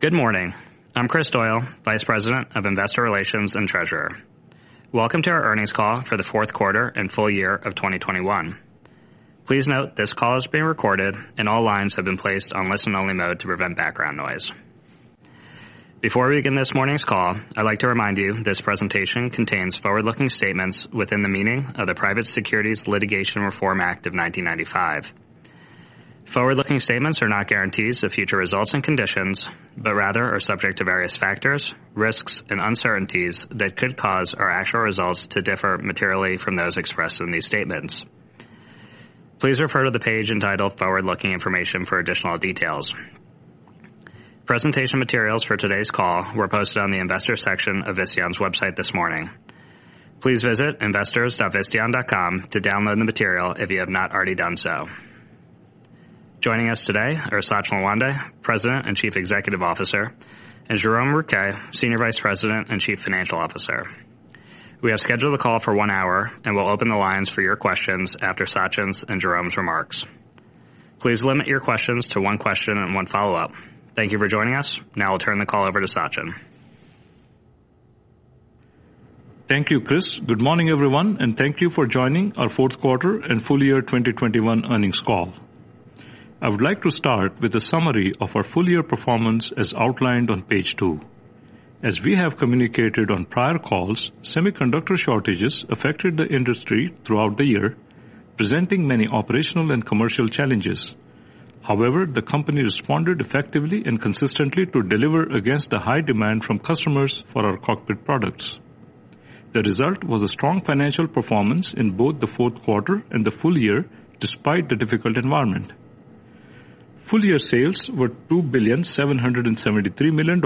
Good morning. I'm Kris Doyle, Vice President of Investor Relations and Treasurer. Welcome to our earnings call for the fourth quarter and full year of 2021. Please note this call is being recorded, and all lines have been placed on listen-only mode to prevent background noise. Before we begin this morning's call, I'd like to remind you this presentation contains forward-looking statements within the meaning of the Private Securities Litigation Reform Act of 1995. Forward-looking statements are not guarantees of future results and conditions, but rather are subject to various factors, risks, and uncertainties that could cause our actual results to differ materially from those expressed in these statements. Please refer to the page entitled Forward-Looking Information for additional details. Presentation materials for today's call were posted on the investors section of Visteon's website this morning. Please visit investors.visteon.com to download the material if you have not already done so. Joining us today are Sachin Lawande, President and Chief Executive Officer, and Jerome Rouquet, Senior Vice President and Chief Financial Officer. We have scheduled the call for one hour and will open the lines for your questions after Sachin's and Jerome's remarks. Please limit your questions to one question and one follow-up. Thank you for joining us. Now I'll turn the call over to Sachin. Thank you, Kris. Good morning, everyone, and thank you for joining our fourth quarter and full year 2021 earnings call. I would like to start with a summary of our full year performance as outlined on page two. As we have communicated on prior calls, semiconductor shortages affected the industry throughout the year, presenting many operational and commercial challenges. However, the company responded effectively and consistently to deliver against the high demand from customers for our cockpit products. The result was a strong financial performance in both the fourth quarter and the full year, despite the difficult environment. Full year sales were $2,773 million,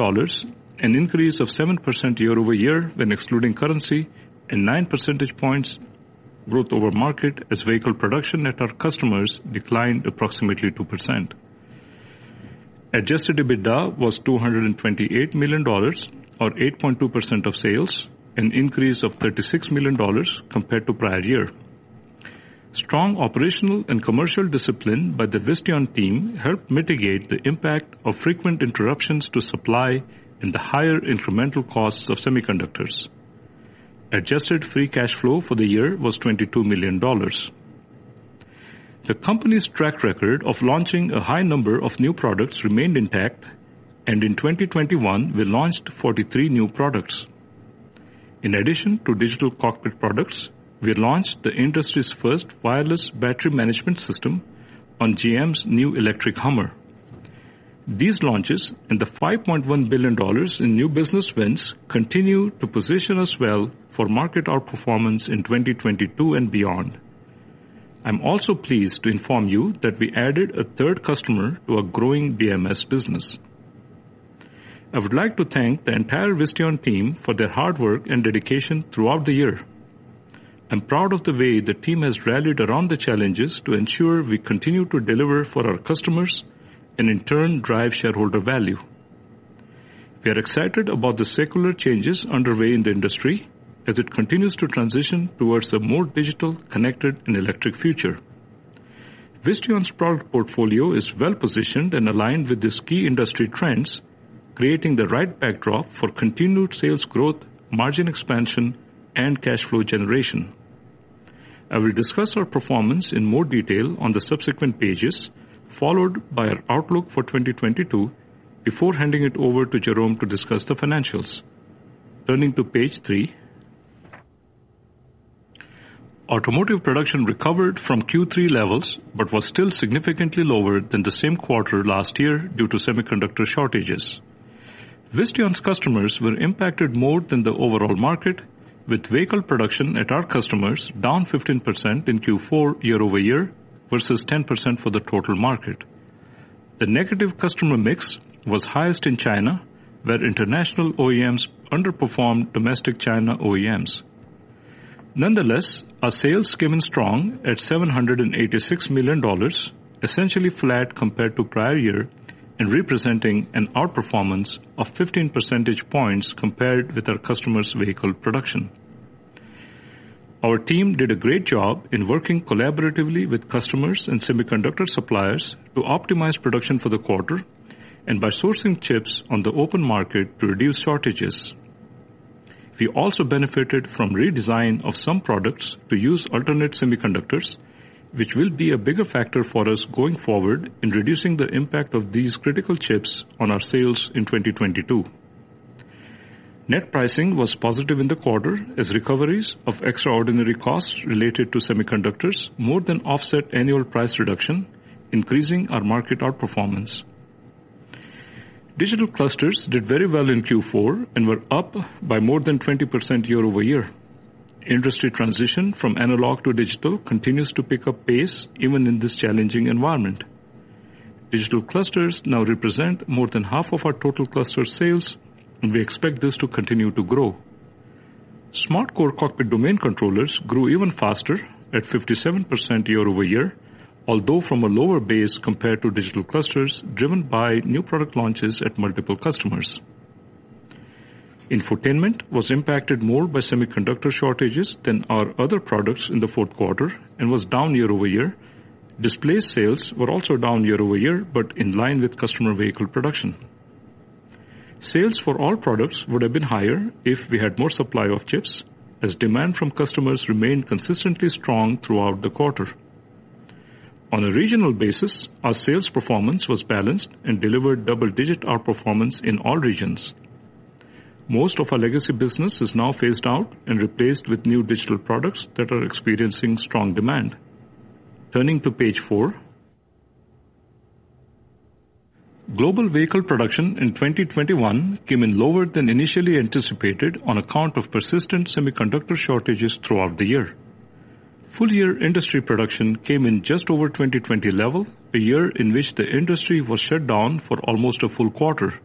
an increase of 7% year-over-year when excluding currency and nine percentage points growth over market as vehicle production at our customers declined approximately 2%. Adjusted EBITDA was $228 million or 8.2% of sales, an increase of $36 million compared to prior year. Strong operational and commercial discipline by the Visteon team helped mitigate the impact of frequent interruptions to supply and the higher incremental costs of semiconductors. Adjusted free cash flow for the year was $22 million. The company's track record of launching a high number of new products remained intact, and in 2021, we launched 43 new products. In addition to digital cockpit products, we launched the industry's first wireless battery management system on GMC Hummer EV. These launches and the $5.1 billion in new business wins continue to position us well for market outperformance in 2022 and beyond. I'm also pleased to inform you that we added a third customer to our growing DMS business. I would like to thank the entire Visteon team for their hard work and dedication throughout the year. I'm proud of the way the team has rallied around the challenges to ensure we continue to deliver for our customers and in turn drive shareholder value. We are excited about the secular changes underway in the industry as it continues to transition towards a more digital, connected, and electric future. Visteon's product portfolio is well-positioned and aligned with these key industry trends, creating the right backdrop for continued sales growth, margin expansion, and cash flow generation. I will discuss our performance in more detail on the subsequent pages, followed by our outlook for 2022 before handing it over to Jerome to discuss the financials. Turning to page three. Automotive production recovered from Q3 levels but was still significantly lower than the same quarter last year due to semiconductor shortages. Visteon's customers were impacted more than the overall market, with vehicle production at our customers down 15% in Q4 year-over-year, versus 10% for the total market. The negative customer mix was highest in China, where international OEMs underperformed domestic China OEMs. Nonetheless, our sales came in strong at $786 million, essentially flat compared to prior year and representing an outperformance of 15 percentage points compared with our customers' vehicle production. Our team did a great job in working collaboratively with customers and semiconductor suppliers to optimize production for the quarter and by sourcing chips on the open market to reduce shortages. We also benefited from redesign of some products to use alternate semiconductors, which will be a bigger factor for us going forward in reducing the impact of these critical chips on our sales in 2022. Net pricing was positive in the quarter as recoveries of extraordinary costs related to semiconductors more than offset annual price reduction, increasing our market outperformance. Digital clusters did very well in Q4 and were up by more than 20% year-over-year. Industry transition from analog to digital continues to pick up pace even in this challenging environment. Digital clusters now represent more than half of our total cluster sales, and we expect this to continue to grow. SmartCore cockpit domain controllers grew even faster at 57% year-over-year, although from a lower base compared to digital clusters driven by new product launches at multiple customers. Infotainment was impacted more by semiconductor shortages than our other products in the fourth quarter and was down year-over-year. Display sales were also down year-over-year, but in line with customer vehicle production. Sales for all products would have been higher if we had more supply of chips as demand from customers remained consistently strong throughout the quarter. On a regional basis, our sales performance was balanced and delivered double-digit outperformance in all regions. Most of our legacy business is now phased out and replaced with new digital products that are experiencing strong demand. Turning to page four. Global vehicle production in 2021 came in lower than initially anticipated on account of persistent semiconductor shortages throughout the year. Full year industry production came in just over 2020 level, a year in which the industry was shut down for almost a full quarter.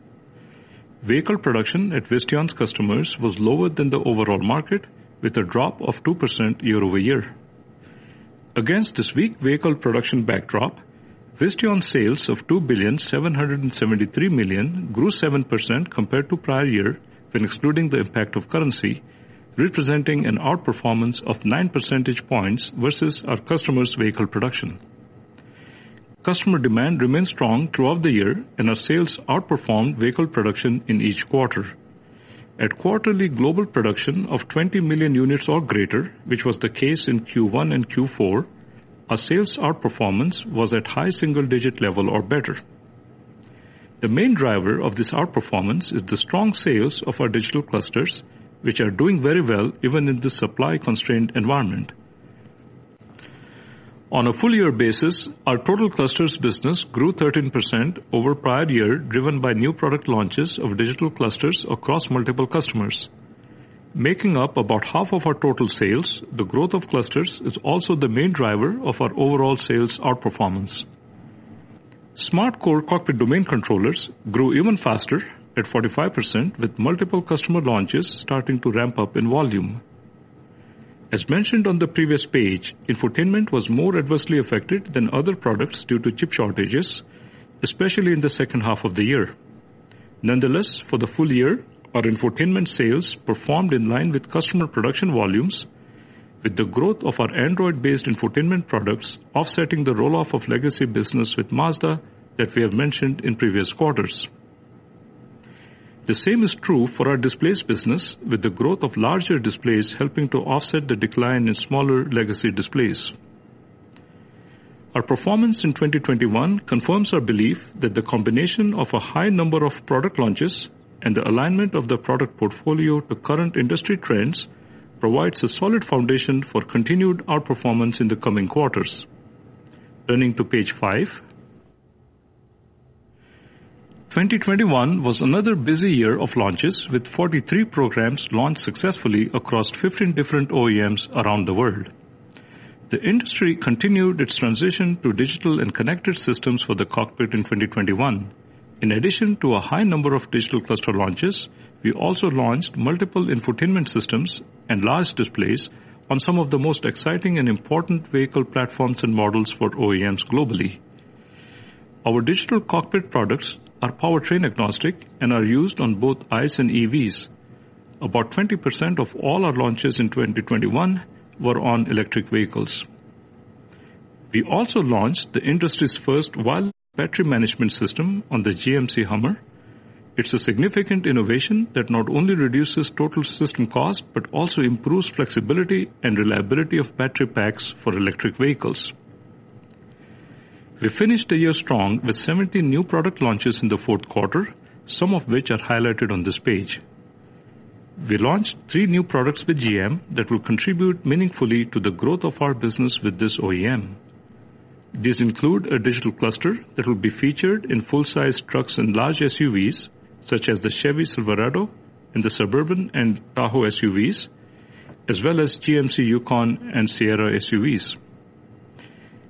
Vehicle production at Visteon's customers was lower than the overall market, with a drop of 2% year-over-year. Against this weak vehicle production backdrop, Visteon sales of $2,773 million grew 7% compared to prior year when excluding the impact of currency, representing an outperformance of nine percentage points versus our customers' vehicle production. Customer demand remained strong throughout the year, and our sales outperformed vehicle production in each quarter. At quarterly global production of 20 million units or greater, which was the case in Q1 and Q4, our sales outperformance was at high single-digit level or better. The main driver of this outperformance is the strong sales of our digital clusters, which are doing very well even in the supply-constrained environment. On a full year basis, our total clusters business grew 13% over prior year, driven by new product launches of digital clusters across multiple customers. Making up about 1/2 of our total sales, the growth of clusters is also the main driver of our overall sales outperformance. SmartCore cockpit domain controllers grew even faster at 45% with multiple customer launches starting to ramp up in volume. As mentioned on the previous page, infotainment was more adversely affected than other products due to chip shortages, especially in the H2 of the year. Nonetheless, for the full year, our infotainment sales performed in line with customer production volumes, with the growth of our Android-based infotainment products offsetting the roll-off of legacy business with Mazda that we have mentioned in previous quarters. The same is true for our displays business, with the growth of larger displays helping to offset the decline in smaller legacy displays. Our performance in 2021 confirms our belief that the combination of a high number of product launches and the alignment of the product portfolio to current industry trends provides a solid foundation for continued outperformance in the coming quarters. Turning to page 5. 2021 was another busy year of launches, with 43 programs launched successfully across 15 different OEMs around the world. The industry continued its transition to digital and connected systems for the cockpit in 2021. In addition to a high number of digital cluster launches, we also launched multiple infotainment systems and large displays on some of the most exciting and important vehicle platforms and models for OEMs globally. Our digital cockpit products are powertrain agnostic and are used on both ICE and EVs. About 20% of all our launches in 2021 were on electric vehicles. We also launched the industry's first wireless battery management system on the GMC Hummer EV. It's a significant innovation that not only reduces total system cost, but also improves flexibility and reliability of battery packs for electric vehicles. We finished the year strong with 17 new product launches in the fourth quarter, some of which are highlighted on this page. We launched three new products with GM that will contribute meaningfully to the growth of our business with this OEM. These include a digital cluster that will be featured in full-size trucks and large SUVs such as the Chevy Silverado and the Suburban and Tahoe SUVs, as well as GMC Yukon and Sierra SUVs.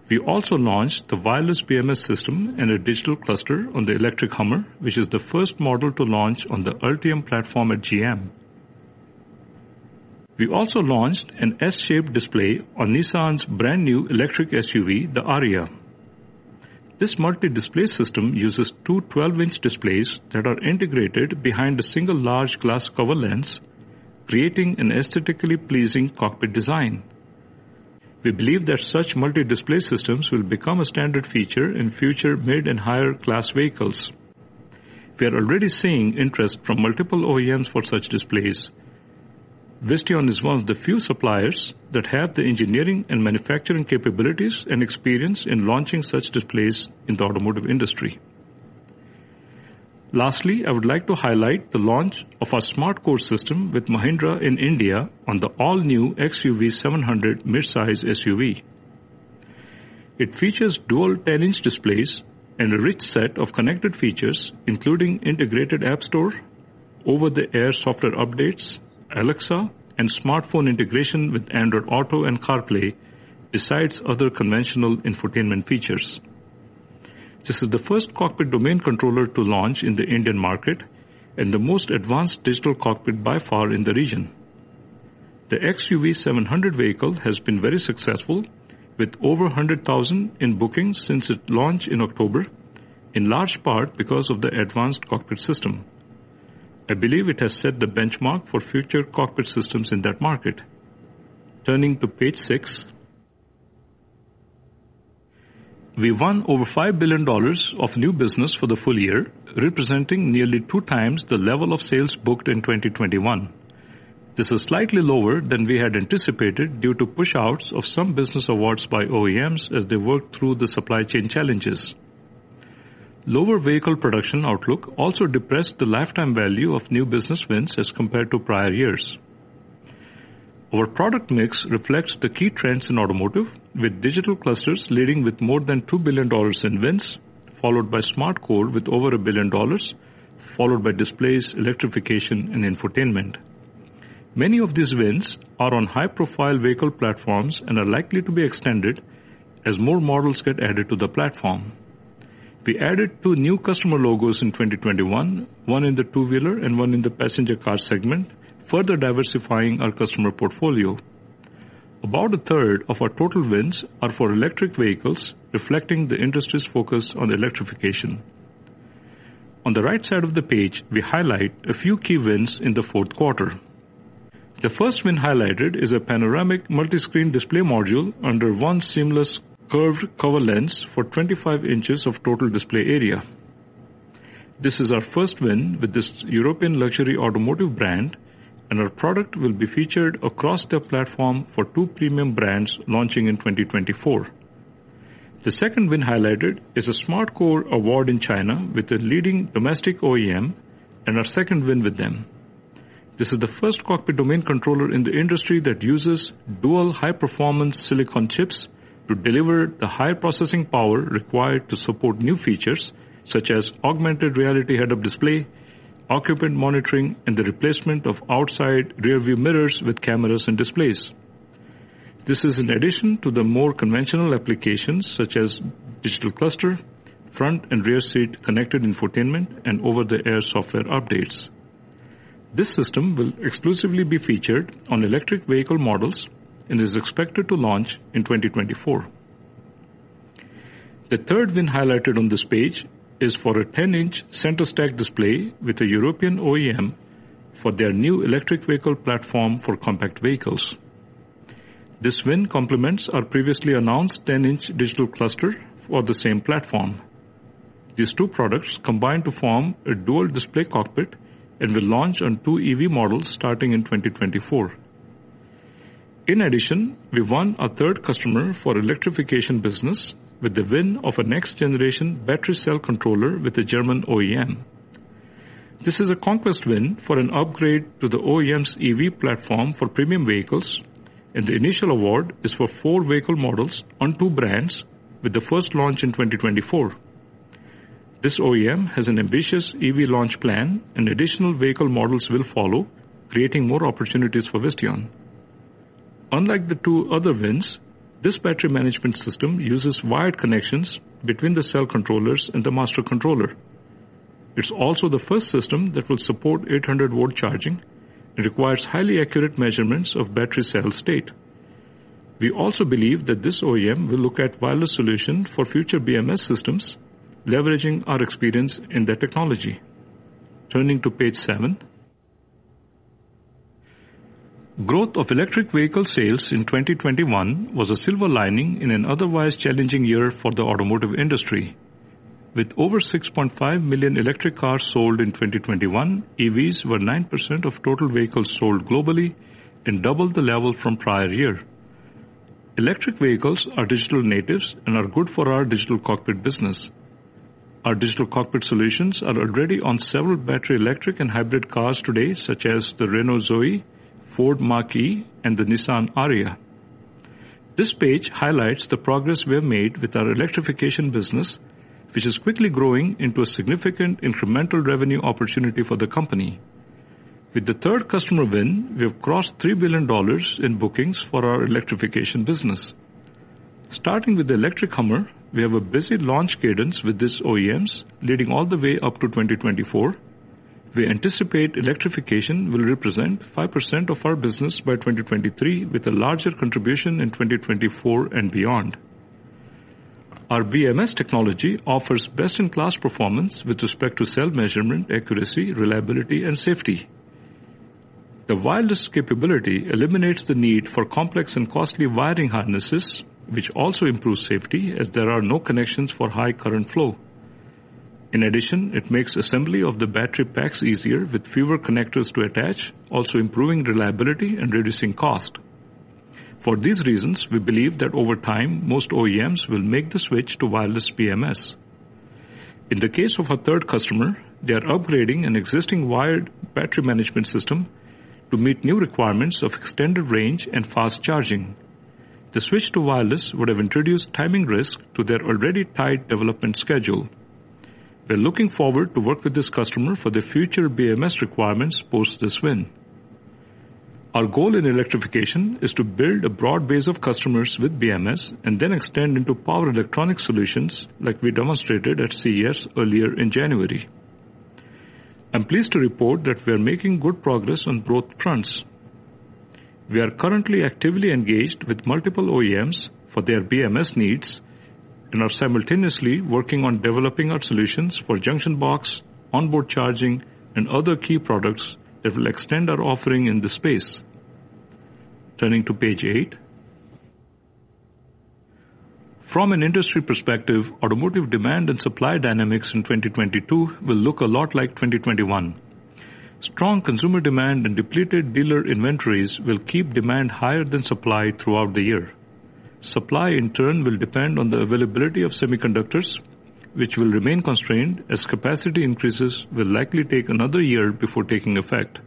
We also launched the wireless BMS system and a digital cluster on the electric Hummer, which is the first model to launch on the Ultium platform at GM. We also launched an S-shaped display on Nissan's brand new electric SUV, the Ariya. This multi-display system uses two 12-inch displays that are integrated behind a single large glass cover lens, creating an aesthetically pleasing cockpit design. We believe that such multi-display systems will become a standard feature in future mid and higher class vehicles. We are already seeing interest from multiple OEMs for such displays. Visteon is one of the few suppliers that have the engineering and manufacturing capabilities and experience in launching such displays in the automotive industry. Lastly, I would like to highlight the launch of our SmartCore system with Mahindra in India on the all-new XUV700 mid-size SUV. It features dual 10-inch displays and a rich set of connected features, including integrated app store, over-the-air software updates, Alexa, and smartphone integration with Android Auto and CarPlay, besides other conventional infotainment features. This is the first cockpit domain controller to launch in the Indian market and the most advanced digital cockpit by far in the region. The XUV700 vehicle has been very successful with over 100,000 in bookings since its launch in October, in large part because of the advanced cockpit system. I believe it has set the benchmark for future cockpit systems in that market. Turning to page six. We won over $5 billion of new business for the full year, representing nearly two times the level of sales booked in 2021. This is slightly lower than we had anticipated due to pushouts of some business awards by OEMs as they worked through the supply chain challenges. Lower vehicle production outlook also depressed the lifetime value of new business wins as compared to prior years. Our product mix reflects the key trends in automotive, with digital clusters leading with more than $2 billion in wins, followed by SmartCore with over $1 billion, followed by displays, electrification, and infotainment. Many of these wins are on high-profile vehicle platforms and are likely to be extended as more models get added to the platform. We added two new customer logos in 2021, one in the two-wheeler and one in the passenger car segment, further diversifying our customer portfolio. About a third of our total wins are for electric vehicles, reflecting the industry's focus on electrification. On the right side of the page, we highlight a few key wins in the fourth quarter. The first win highlighted is a panoramic multiscreen display module under one seamless curved cover lens for 25 inches of total display area. This is our first win with this European luxury automotive brand, and our product will be featured across their platform for two premium brands launching in 2024. The second win highlighted is a SmartCore award in China with a leading domestic OEM and our second win with them. This is the first cockpit domain controller in the industry that uses dual high-performance silicon chips to deliver the high processing power required to support new features such as augmented reality head-up display, occupant monitoring, and the replacement of outside rearview mirrors with cameras and displays. This is in addition to the more conventional applications such as digital cluster, front and rear seat connected infotainment, and over-the-air software updates. This system will exclusively be featured on electric vehicle models and is expected to launch in 2024. The third win highlighted on this page is for a 10-inch center stack display with a European OEM for their new electric vehicle platform for compact vehicles. This win complements our previously announced 10-inch digital cluster for the same platform. These two products combine to form a dual display cockpit and will launch on 2 EV models starting in 2024. In addition, we won a third customer for electrification business with the win of a next-generation battery cell controller with a German OEM. This is a conquest win for an upgrade to the OEM's EV platform for premium vehicles, and the initial award is for four vehicle models on two brands with the first launch in 2024. This OEM has an ambitious EV launch plan, and additional vehicle models will follow, creating more opportunities for Visteon. Unlike the two other wins, this battery management system uses wired connections between the cell controllers and the master controller. It's also the first system that will support 800-volt charging and requires highly accurate measurements of battery cell state. We also believe that this OEM will look at wireless solution for future BMS systems, leveraging our experience in the technology. Turning to page seven. Growth of electric vehicle sales in 2021 was a silver lining in an otherwise challenging year for the automotive industry. With over 6.5 million electric cars sold in 2021, EVs were 9% of total vehicles sold globally and doubled the level from prior year. Electric vehicles are digital natives and are good for our digital cockpit business. Our digital cockpit solutions are already on several battery electric and hybrid cars today, such as the Renault ZOE, Ford Mach-E, and the Nissan Ariya. This page highlights the progress we have made with our electrification business, which is quickly growing into a significant incremental revenue opportunity for the company. With the third customer win, we have crossed $3 billion in bookings for our electrification business. Starting with the electric Hummer, we have a busy launch cadence with these OEMs leading all the way up to 2024. We anticipate electrification will represent 5% of our business by 2023, with a larger contribution in 2024 and beyond. Our BMS technology offers best-in-class performance with respect to cell measurement, accuracy, reliability, and safety. The wireless capability eliminates the need for complex and costly wiring harnesses, which also improves safety as there are no connections for high current flow. In addition, it makes assembly of the battery packs easier with fewer connectors to attach, also improving reliability and reducing cost. For these reasons, we believe that over time, most OEMs will make the switch to wireless BMS. In the case of our third customer, they are upgrading an existing wired battery management system to meet new requirements of extended range and fast charging. The switch to wireless would have introduced timing risk to their already tight development schedule. We are looking forward to work with this customer for their future BMS requirements post this win. Our goal in electrification is to build a broad base of customers with BMS and then extend into power electronic solutions like we demonstrated at CES earlier in January. I'm pleased to report that we are making good progress on both fronts. We are currently actively engaged with multiple OEMs for their BMS needs and are simultaneously working on developing our solutions for junction box, onboard charging, and other key products that will extend our offering in this space. Turning to page eight. From an industry perspective, automotive demand and supply dynamics in 2022 will look a lot like 2021. Strong consumer demand and depleted dealer inventories will keep demand higher than supply throughout the year. Supply, in turn, will depend on the availability of semiconductors, which will remain constrained as capacity increases will likely take another year before taking effect.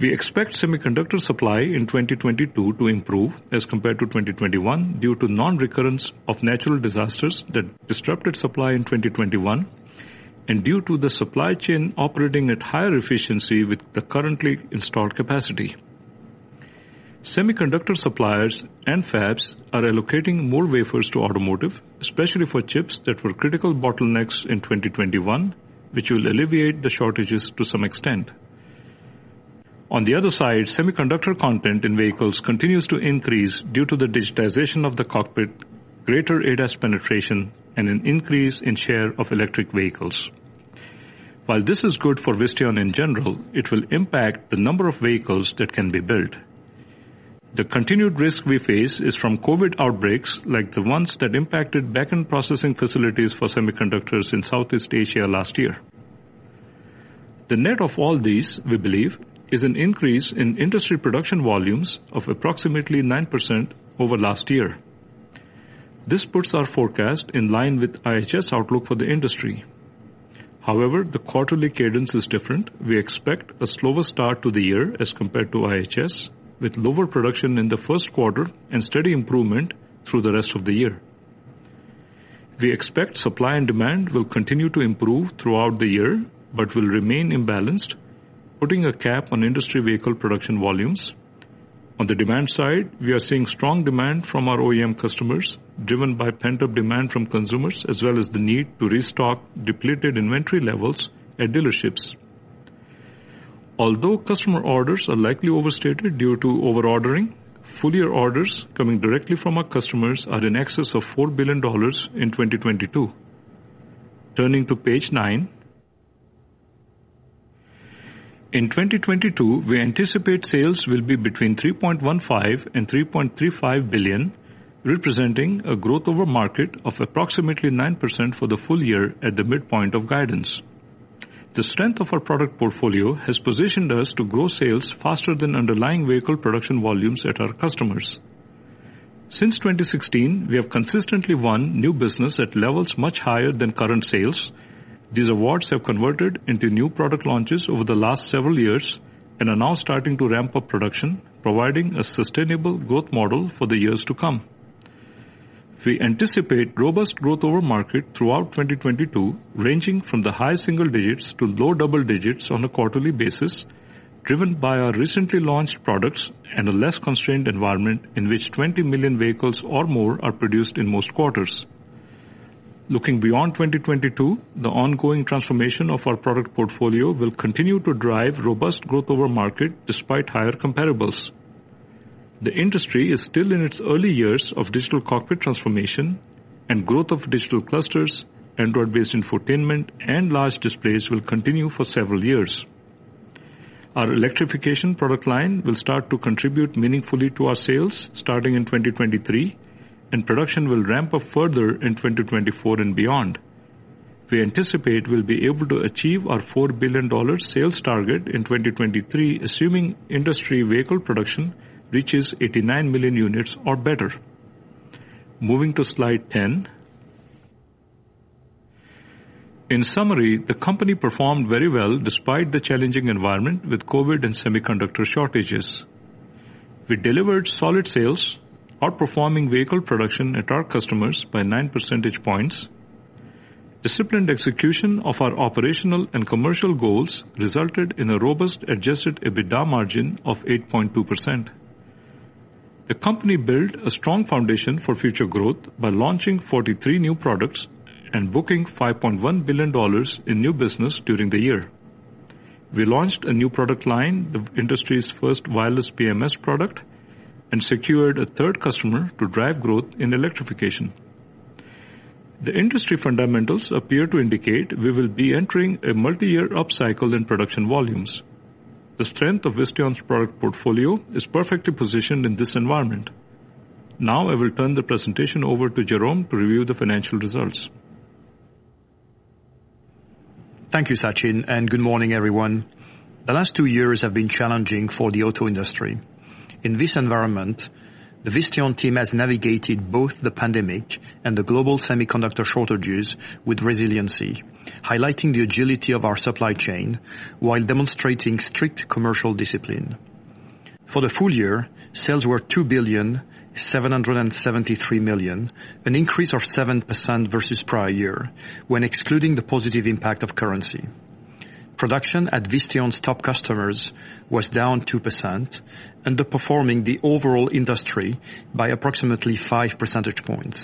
We expect semiconductor supply in 2022 to improve as compared to 2021 due to non-recurrence of natural disasters that disrupted supply in 2021 and due to the supply chain operating at higher efficiency with the currently installed capacity. Semiconductor suppliers and fabs are allocating more wafers to automotive, especially for chips that were critical bottlenecks in 2021, which will alleviate the shortages to some extent. On the other side, semiconductor content in vehicles continues to increase due to the digitization of the cockpit, greater ADAS penetration, and an increase in share of electric vehicles. While this is good for Visteon in general, it will impact the number of vehicles that can be built. The continued risk we face is from COVID outbreaks, like the ones that impacted backend processing facilities for semiconductors in Southeast Asia last year. The net of all these, we believe, is an increase in industry production volumes of approximately 9% over last year. This puts our forecast in line with IHS outlook for the industry. However, the quarterly cadence is different. We expect a slower start to the year as compared to IHS, with lower production in the first quarter and steady improvement through the rest of the year. We expect supply and demand will continue to improve throughout the year, but will remain imbalanced, putting a cap on industry vehicle production volumes. On the demand side, we are seeing strong demand from our OEM customers, driven by pent-up demand from consumers, as well as the need to restock depleted inventory levels at dealerships. Although customer orders are likely overstated due to over-ordering, full year orders coming directly from our customers are in excess of $4 billion in 2022. Turning to page nine. In 2022, we anticipate sales will be between $3.15 billion and $3.35 billion, representing a growth over market of approximately 9% for the full year at the midpoint of guidance. The strength of our product portfolio has positioned us to grow sales faster than underlying vehicle production volumes at our customers. Since 2016, we have consistently won new business at levels much higher than current sales. These awards have converted into new product launches over the last several years and are now starting to ramp up production, providing a sustainable growth model for the years to come. We anticipate robust growth over market throughout 2022, ranging from the high single digits to low double digits on a quarterly basis, driven by our recently launched products and a less constrained environment in which 20 million vehicles or more are produced in most quarters. Looking beyond 2022, the ongoing transformation of our product portfolio will continue to drive robust growth over market despite higher comparables. The industry is still in its early years of digital cockpit transformation, and growth of digital clusters, Android-based infotainment, and large displays will continue for several years. Our electrification product line will start to contribute meaningfully to our sales starting in 2023, and production will ramp up further in 2024 and beyond. We anticipate we'll be able to achieve our $4 billion sales target in 2023, assuming industry vehicle production reaches 89 million units or better. Moving to slide 10. In summary, the company performed very well despite the challenging environment with COVID and semiconductor shortages. We delivered solid sales, outperforming vehicle production at our customers by nine percentage points. Disciplined execution of our operational and commercial goals resulted in a robust adjusted EBITDA margin of 8.2%. The company built a strong foundation for future growth by launching 43 new products and booking $5.1 billion in new business during the year. We launched a new product line, the industry's first wireless BMS product, and secured a third customer to drive growth in electrification. The industry fundamentals appear to indicate we will be entering a multi-year upcycle in production volumes. The strength of Visteon's product portfolio is perfectly positioned in this environment. Now I will turn the presentation over to Jerome to review the financial results. Thank you, Sachin, and good morning, everyone. The last two years have been challenging for the auto industry. In this environment, the Visteon team has navigated both the pandemic and the global semiconductor shortages with resiliency, highlighting the agility of our supply chain while demonstrating strict commercial discipline. For the full year, sales were $2,773 million, an increase of 7% versus prior year when excluding the positive impact of currency. Production at Visteon's top customers was down 2%, underperforming the overall industry by approximately five percentage points.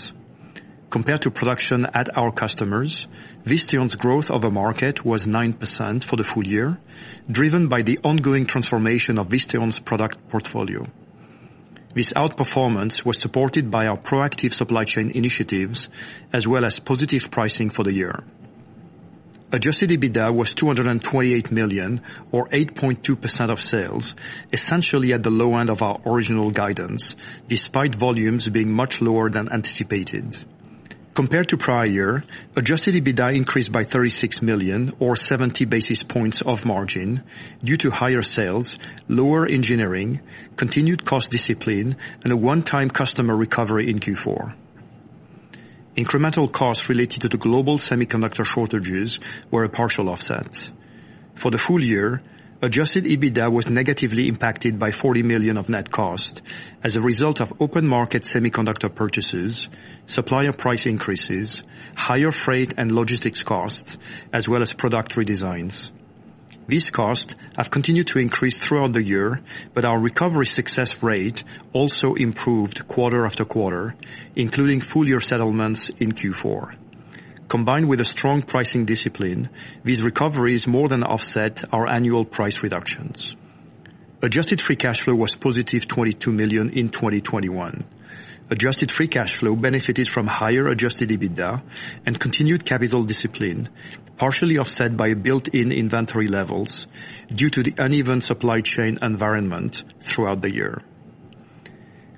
Compared to production at our customers, Visteon's growth over market was 9% for the full year, driven by the ongoing transformation of Visteon's product portfolio. This outperformance was supported by our proactive supply chain initiatives as well as positive pricing for the year. Adjusted EBITDA was $228 million or 8.2% of sales, essentially at the low end of our original guidance, despite volumes being much lower than anticipated. Compared to prior, adjusted EBITDA increased by $36 million or 70 basis points of margin due to higher sales, lower engineering, continued cost discipline, and a one-time customer recovery in Q4. Incremental costs related to the global semiconductor shortages were a partial offset. For the full year, adjusted EBITDA was negatively impacted by $40 million of net cost as a result of open market semiconductor purchases, supplier price increases, higher freight and logistics costs, as well as product redesigns. These costs have continued to increase throughout the year, but our recovery success rate also improved quarter after quarter, including full year settlements in Q4. Combined with a strong pricing discipline, these recoveries more than offset our annual price reductions. Adjusted free cash flow was positive $22 million in 2021. Adjusted free cash flow benefited from higher adjusted EBITDA and continued capital discipline, partially offset by built-in inventory levels due to the uneven supply chain environment throughout the year.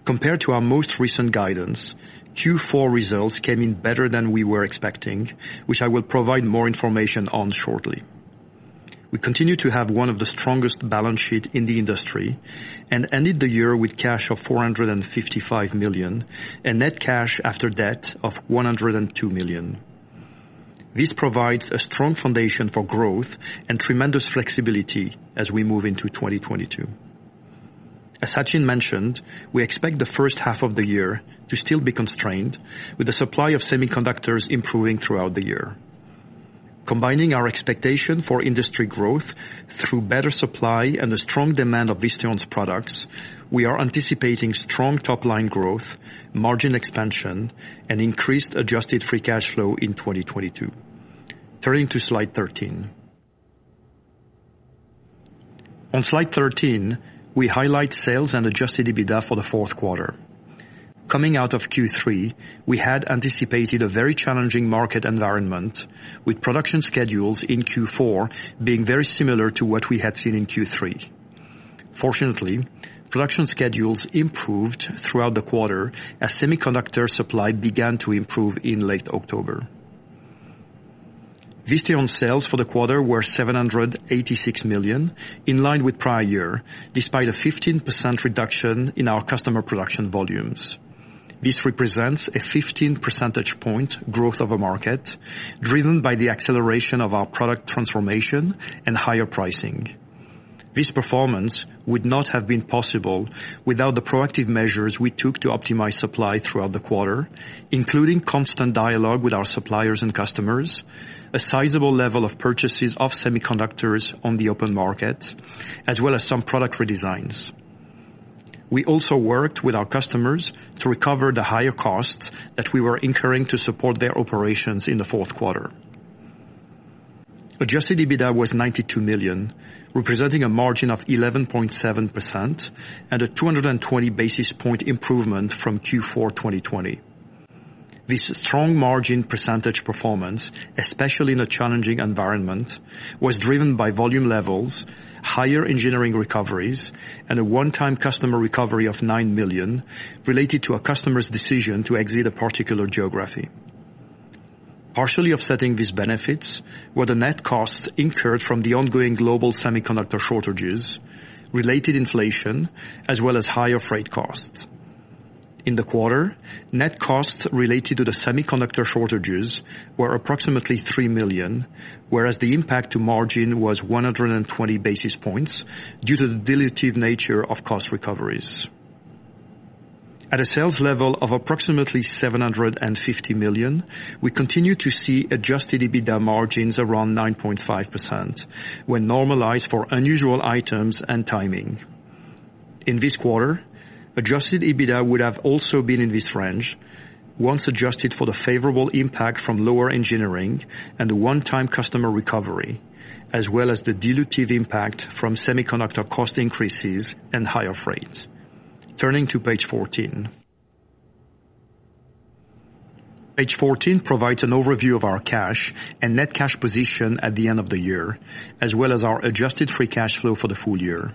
Compared to our most recent guidance, Q4 results came in better than we were expecting, which I will provide more information on shortly. We continue to have one of the strongest balance sheet in the industry and ended the year with cash of $455 million and net cash after debt of $102 million. This provides a strong foundation for growth and tremendous flexibility as we move into 2022. As Sachin mentioned, we expect the H1 of the year to still be constrained, with the supply of semiconductors improving throughout the year. Combining our expectation for industry growth through better supply and the strong demand of Visteon's products, we are anticipating strong top-line growth, margin expansion, and increased adjusted free cash flow in 2022. Turning to slide 13. On slide 13, we highlight sales and adjusted EBITDA for the fourth quarter. Coming out of Q3, we had anticipated a very challenging market environment, with production schedules in Q4 being very similar to what we had seen in Q3. Fortunately, production schedules improved throughout the quarter as semiconductor supply began to improve in late October. Visteon sales for the quarter were $786 million, in line with prior year, despite a 15% reduction in our customer production volumes. This represents a 15 percentage point growth over market driven by the acceleration of our product transformation and higher pricing. This performance would not have been possible without the proactive measures we took to optimize supply throughout the quarter, including constant dialogue with our suppliers and customers, a sizable level of purchases of semiconductors on the open market, as well as some product redesigns. We also worked with our customers to recover the higher costs that we were incurring to support their operations in the fourth quarter. Adjusted EBITDA was $92 million, representing a margin of 11.7% and a 220 basis point improvement from Q4 2020. This strong margin percentage performance, especially in a challenging environment, was driven by volume levels, higher engineering recoveries, and a one-time customer recovery of $9 million related to a customer's decision to exit a particular geography. Partially offsetting these benefits were the net costs incurred from the ongoing global semiconductor shortages, related inflation, as well as higher freight costs. In the quarter, net costs related to the semiconductor shortages were approximately $3 million, whereas the impact to margin was 120 basis points due to the dilutive nature of cost recoveries. At a sales level of approximately $750 million, we continue to see adjusted EBITDA margins around 9.5% when normalized for unusual items and timing. In this quarter, adjusted EBITDA would have also been in this range once adjusted for the favorable impact from lower engineering and the one-time customer recovery, as well as the dilutive impact from semiconductor cost increases and higher rates. Turning to page fourteen. Page fourteen provides an overview of our cash and net cash position at the end of the year, as well as our adjusted free cash flow for the full year.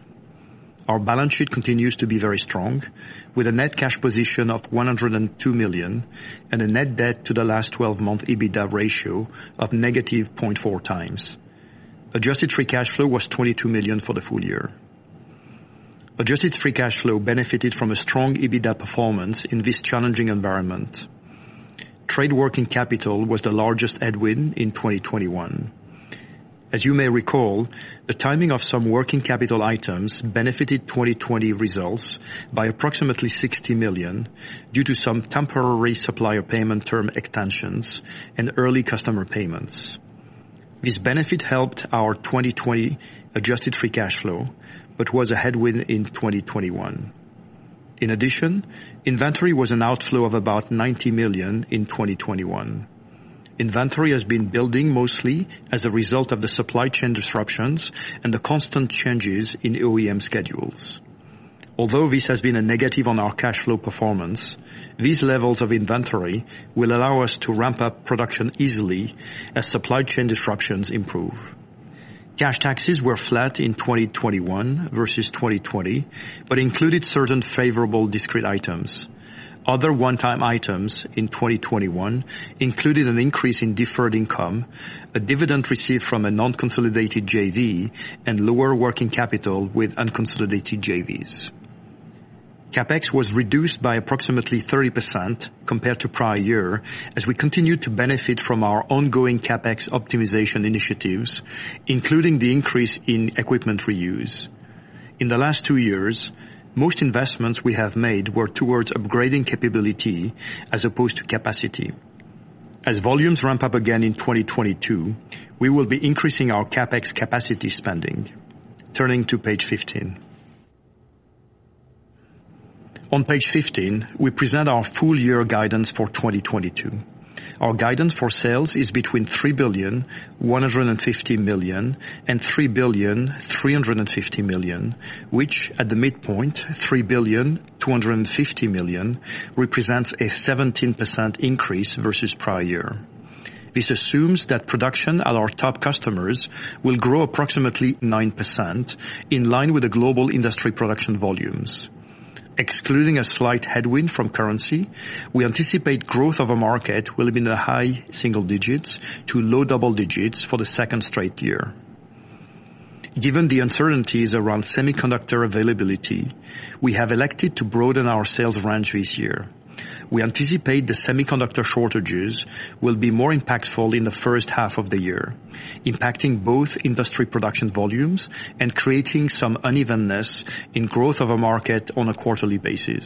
Our balance sheet continues to be very strong, with a net cash position of $102 million and a net debt to the last 12-month EBITDA ratio of -0.4x. Adjusted free cash flow was $22 million for the full year. Adjusted free cash flow benefited from a strong EBITDA performance in this challenging environment. Trade working capital was the largest headwind in 2021. As you may recall, the timing of some working capital items benefited 2020 results by approximately $60 million due to some temporary supplier payment term extensions and early customer payments. This benefit helped our 2020 adjusted free cash flow, but was a headwind in 2021. In addition, inventory was an outflow of about $90 million in 2021. Inventory has been building mostly as a result of the supply chain disruptions and the constant changes in OEM schedules. Although this has been a negative on our cash flow performance, these levels of inventory will allow us to ramp up production easily as supply chain disruptions improve. Cash taxes were flat in 2021 versus 2020, but included certain favorable discrete items. Other one-time items in 2021 included an increase in deferred income, a dividend received from a non-consolidated JV, and lower working capital with unconsolidated JVs. CapEx was reduced by approximately 30% compared to prior year as we continue to benefit from our ongoing CapEx optimization initiatives, including the increase in equipment reuse. In the last two years, most investments we have made were towards upgrading capability as opposed to capacity. As volumes ramp up again in 2022, we will be increasing our CapEx capacity spending. Turning to page 15. On page 15, we present our full year guidance for 2022. Our guidance for sales is between $3.15 billion and $3.35 billion, which at the midpoint, $3.25 billion, represents a 17% increase versus prior year. This assumes that production at our top customers will grow approximately 9% in line with the global industry production volumes. Excluding a slight headwind from currency, we anticipate growth over market will be in the high single digits to low double digits for the second straight year. Given the uncertainties around semiconductor availability, we have elected to broaden our sales range this year. We anticipate the semiconductor shortages will be more impactful in the H1 of the year, impacting both industry production volumes and creating some unevenness in growth of a market on a quarterly basis.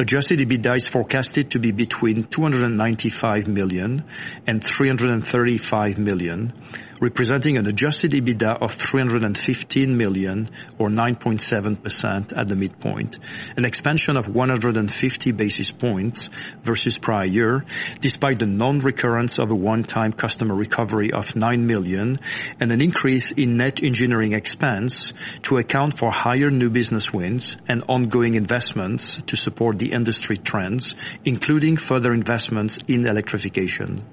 Adjusted EBITDA is forecasted to be between $295 million and $335 million, representing an adjusted EBITDA of $315 million or 9.7% at the midpoint, an expansion of 150 basis points versus prior year, despite the non-recurrence of a one-time customer recovery of $9 million and an increase in net engineering expense to account for higher new business wins and ongoing investments to support the industry trends, including further investments in electrification.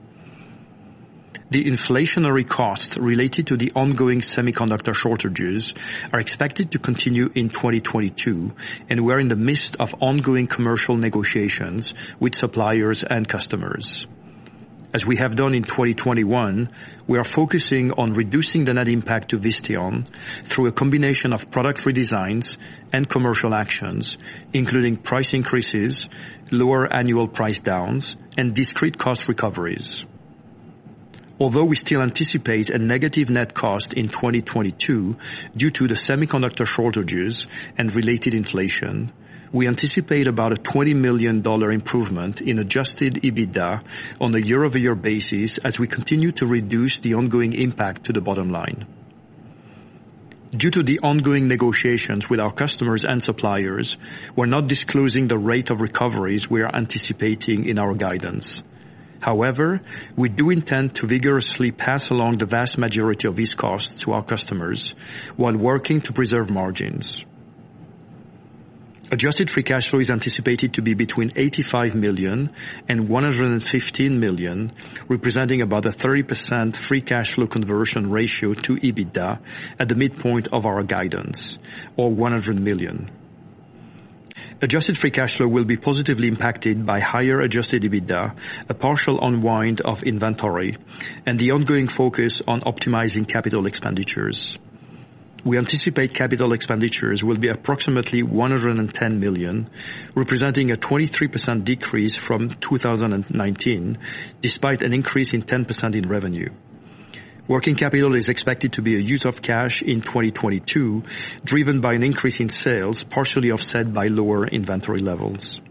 The inflationary costs related to the ongoing semiconductor shortages are expected to continue in 2022, and we are in the midst of ongoing commercial negotiations with suppliers and customers. As we have done in 2021, we are focusing on reducing the net impact to Visteon through a combination of product redesigns and commercial actions, including price increases, lower annual price downs, and discrete cost recoveries. Although we still anticipate a negative net cost in 2022 due to the semiconductor shortages and related inflation, we anticipate about a $20 million improvement in adjusted EBITDA on a year-over-year basis as we continue to reduce the ongoing impact to the bottom line. Due to the ongoing negotiations with our customers and suppliers, we're not disclosing the rate of recoveries we are anticipating in our guidance. However, we do intend to vigorously pass along the vast majority of these costs to our customers while working to preserve margins. Adjusted free cash flow is anticipated to be between $85 million and $115 million, representing about a 30% free cash flow conversion ratio to EBITDA at the midpoint of our guidance or $100 million. Adjusted free cash flow will be positively impacted by higher adjusted EBITDA, a partial unwind of inventory, and the ongoing focus on optimizing capital expenditures. We anticipate capital expenditures will be approximately $110 million, representing a 23% decrease from 2019, despite an increase in 10% in revenue. Working capital is expected to be a use of cash in 2022, driven by an increase in sales, partially offset by lower inventory levels.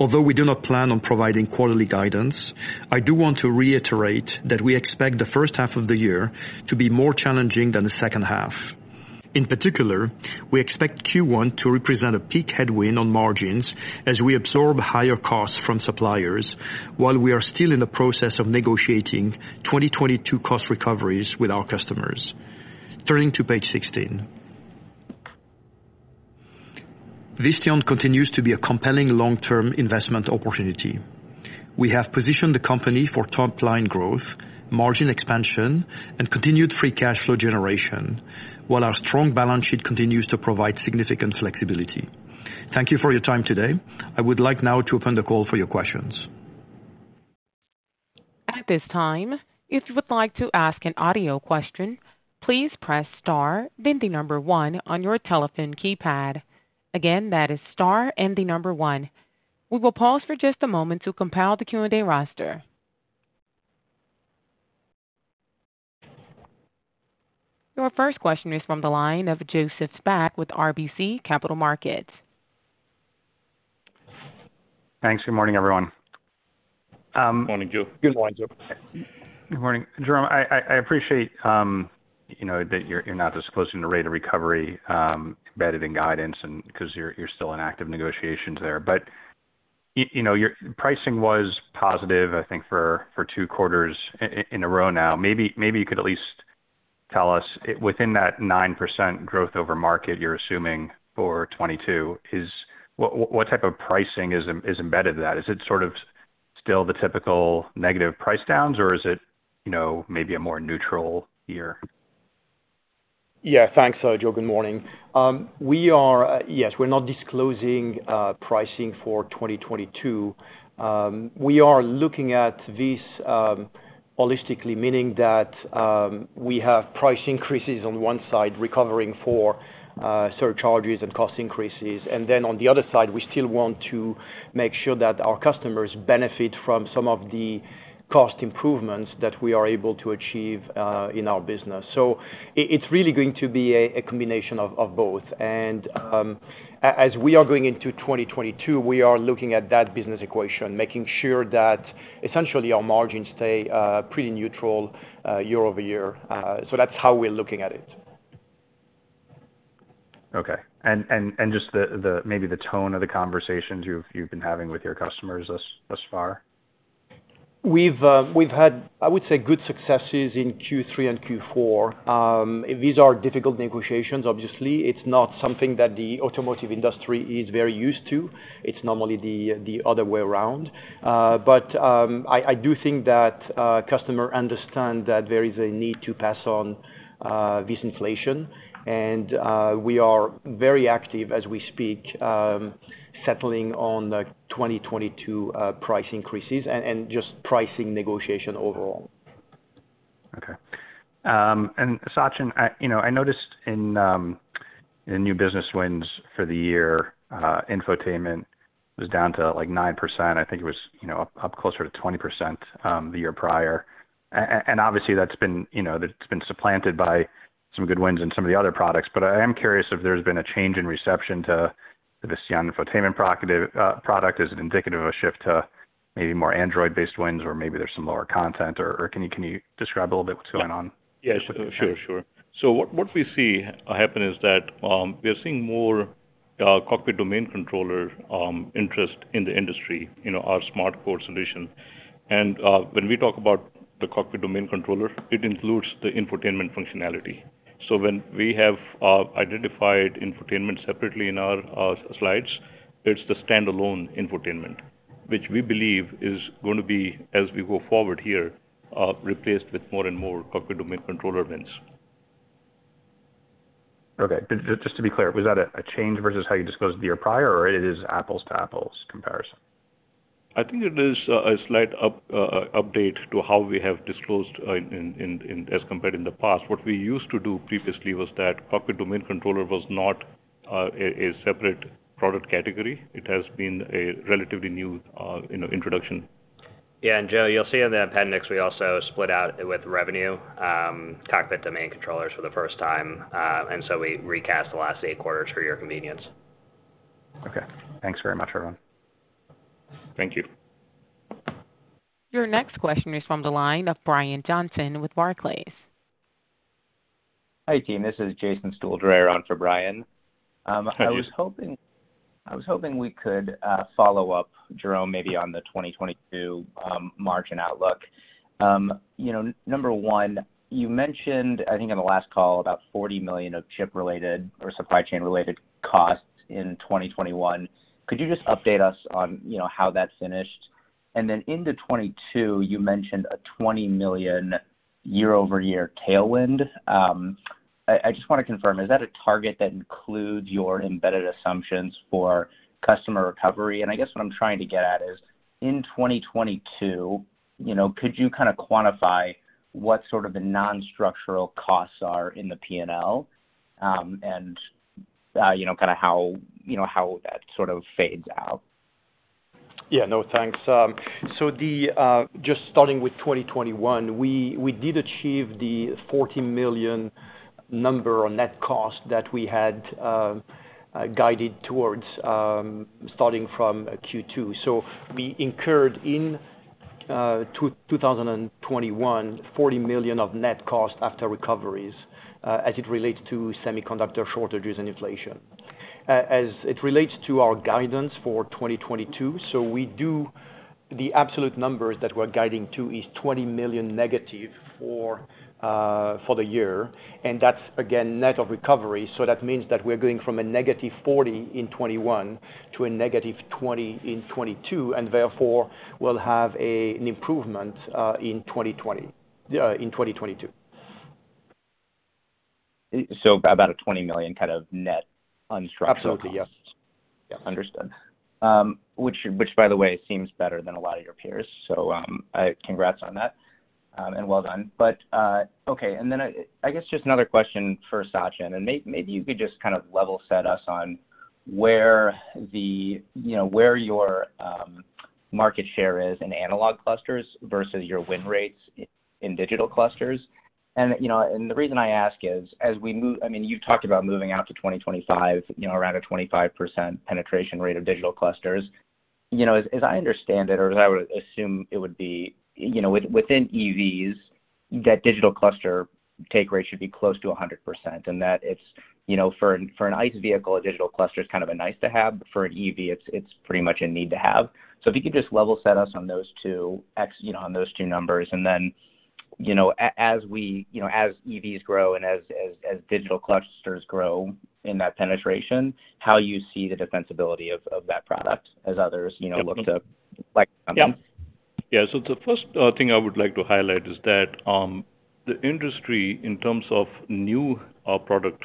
Although we do not plan on providing quarterly guidance, I do want to reiterate that we expect the H1 of the year to be more challenging than the H2. In particular, we expect Q1 to represent a peak headwind on margins as we absorb higher costs from suppliers while we are still in the process of negotiating 2022 cost recoveries with our customers. Turning to page 16. Visteon continues to be a compelling long-term investment opportunity. We have positioned the company for top line growth, margin expansion, and continued free cash flow generation, while our strong balance sheet continues to provide significant flexibility. Thank you for your time today. I would like now to open the call for your questions. At this time, if you would like to ask an audio question, please press star, then one on your telephone keypad. Again, that is star and one. We will pause for just a moment to compile the Q&A roster. Your first question is from the line of Joseph Spak with RBC Capital Markets. Thanks. Good morning, everyone. Good morning, Joe. Good morning. Jerome, I appreciate you know that you're not disclosing the rate of recovery embedded in guidance and 'cause you're still in active negotiations there. You know, your pricing was positive, I think, for two quarters in a row now. Maybe you could at least tell us within that 9% growth over market you're assuming for 2022 is what type of pricing is embedded in that? Is it sort of still the typical negative price downs, or is it, you know, maybe a more neutral year? Yeah. Thanks, Joe. Good morning. Yes, we're not disclosing pricing for 2022. We are looking at this holistically, meaning that we have price increases on one side recovering for surcharges and cost increases. We still want to make sure that our customers benefit from some of the cost improvements that we are able to achieve in our business. It's really going to be a combination of both. As we are going into 2022, we are looking at that business equation, making sure that essentially our margins stay pretty neutral year-over-year. That's how we're looking at it. Okay. Just maybe the tone of the conversations you've been having with your customers thus far. We've had, I would say, good successes in Q3 and Q4. These are difficult negotiations, obviously. It's not something that the automotive industry is very used to. It's normally the other way around. I do think that customers understand that there is a need to pass on this inflation. We are very active as we speak, settling on the 2022 price increases and just pricing negotiation overall. Okay. Sachin, you know, I noticed in the new business wins for the year, infotainment was down to, like, 9%. I think it was, you know, up closer to 20%, the year prior. Obviously that's been, you know, supplanted by some good wins in some of the other products. I am curious if there's been a change in reception to this infotainment product. Is it indicative of a shift to maybe more Android-based wins, or maybe there's some lower content, or can you describe a little bit what's going on? Yeah. Sure, sure. What we see happen is that we are seeing more cockpit domain controller interest in the industry, you know, our SmartCore solution. When we talk about the cockpit domain controller, it includes the infotainment functionality. When we have identified infotainment separately in our slides, it's the standalone infotainment, which we believe is gonna be, as we go forward here, replaced with more and more cockpit domain controller wins. Okay. Just to be clear, was that a change versus how you disclosed the year prior, or is it an apples to apples comparison? I think it is a slight update to how we have disclosed as compared in the past. What we used to do previously was that cockpit domain controller was not a separate product category. It has been a relatively new, you know, introduction. Yeah. Joe, you'll see in the appendix, we also split out with revenue, cockpit domain controllers for the first time. We recast the last eight quarters for your convenience. Okay. Thanks very much, everyone. Thank you. Your next question is from the line of Brian Johnson with Barclays. Hi, team. This is Jason Stuhldreher on for Brian. Hi. I was hoping we could follow up, Jerome, maybe on the 2022 margin outlook. You know, number one, you mentioned, I think on the last call, about $40 million of chip-related or supply chain-related costs in 2021. Could you just update us on, you know, how that finished? Into 2022, you mentioned a $20 million year-over-year tailwind. I just wanna confirm, is that a target that includes your embedded assumptions for customer recovery? I guess what I'm trying to get at is in 2022, you know, could you kind of quantify what sort of the non-structural costs are in the P&L, and, you know, kind of how that sort of fades out? Yeah. No, thanks. Just starting with 2021, we did achieve the $40 million number on net cost that we had guided towards, starting from Q2. We incurred in 2021, $40 million of net cost after recoveries, as it relates to semiconductor shortages and inflation. As it relates to our guidance for 2022, we do the absolute numbers that we're guiding to is negative $20 million for the year, and that's again, net of recovery. That means that we're going from a -$40 million in 2021 to a -$20 million in 2022, and therefore we'll have an improvement in 2022. About a $20 million kind of net unstructured costs. Absolutely, yes. Yeah. Understood. Which by the way seems better than a lot of your peers. Congrats on that, and well done. Okay, and then I guess just another question for Sachin, and maybe you could just kind of level set us on where the, you know, where your market share is in analog clusters versus your win rates in digital clusters. And you know, and the reason I ask is, I mean, you talked about moving out to 2025, you know, around a 25% penetration rate of digital clusters. You know, as I understand it, or as I would assume it would be, you know, within EVs, that digital cluster take rate should be close to 100%, and that it's, you know, for an ICE vehicle, a digital cluster is kind of a nice to have. For an EV, it's pretty much a need to have. If you could just level set us on those two, you know, on those two numbers. Then, you know, as we, you know, as EVs grow and as digital clusters grow in that penetration, how you see the defensibility of that product as others, you know, look to like. Yeah. Yeah. The first thing I would like to highlight is that the industry, in terms of new product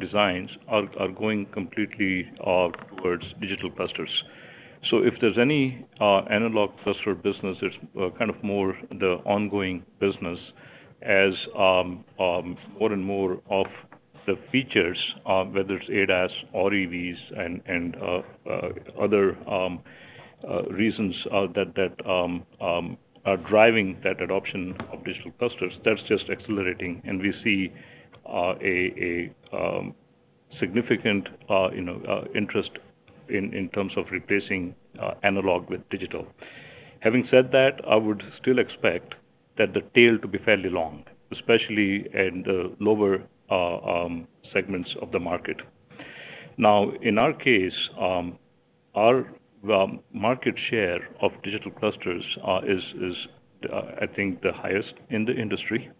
designs, are going completely towards digital clusters. If there's any analog cluster business, it's kind of more the ongoing business as more and more of the features, whether it's ADAS or EVs and other reasons, that are driving that adoption of digital clusters, that's just accelerating. We see a significant, you know, interest in terms of replacing analog with digital. Having said that, I would still expect that the tail to be fairly long, especially in the lower segments of the market. Now, in our case, our market share of digital clusters is, I think, the highest in the industry.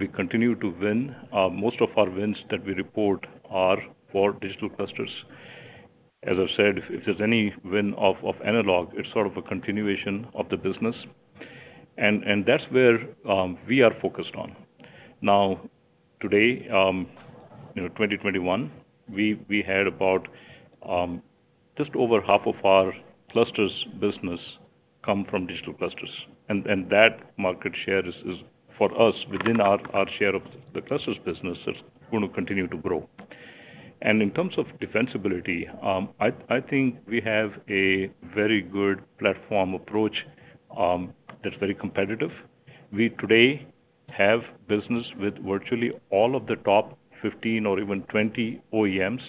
We continue to win. Most of our wins that we report are for digital clusters. As I said, if there's any win of analog, it's sort of a continuation of the business, and that's where we are focused on. Now, today, you know, 2021, we had about just over half of our clusters business come from digital clusters. That market share is for us within our share of the clusters business is gonna continue to grow. In terms of defensibility, I think we have a very good platform approach that's very competitive. We today have business with virtually all of the top 15 or even 20 OEMs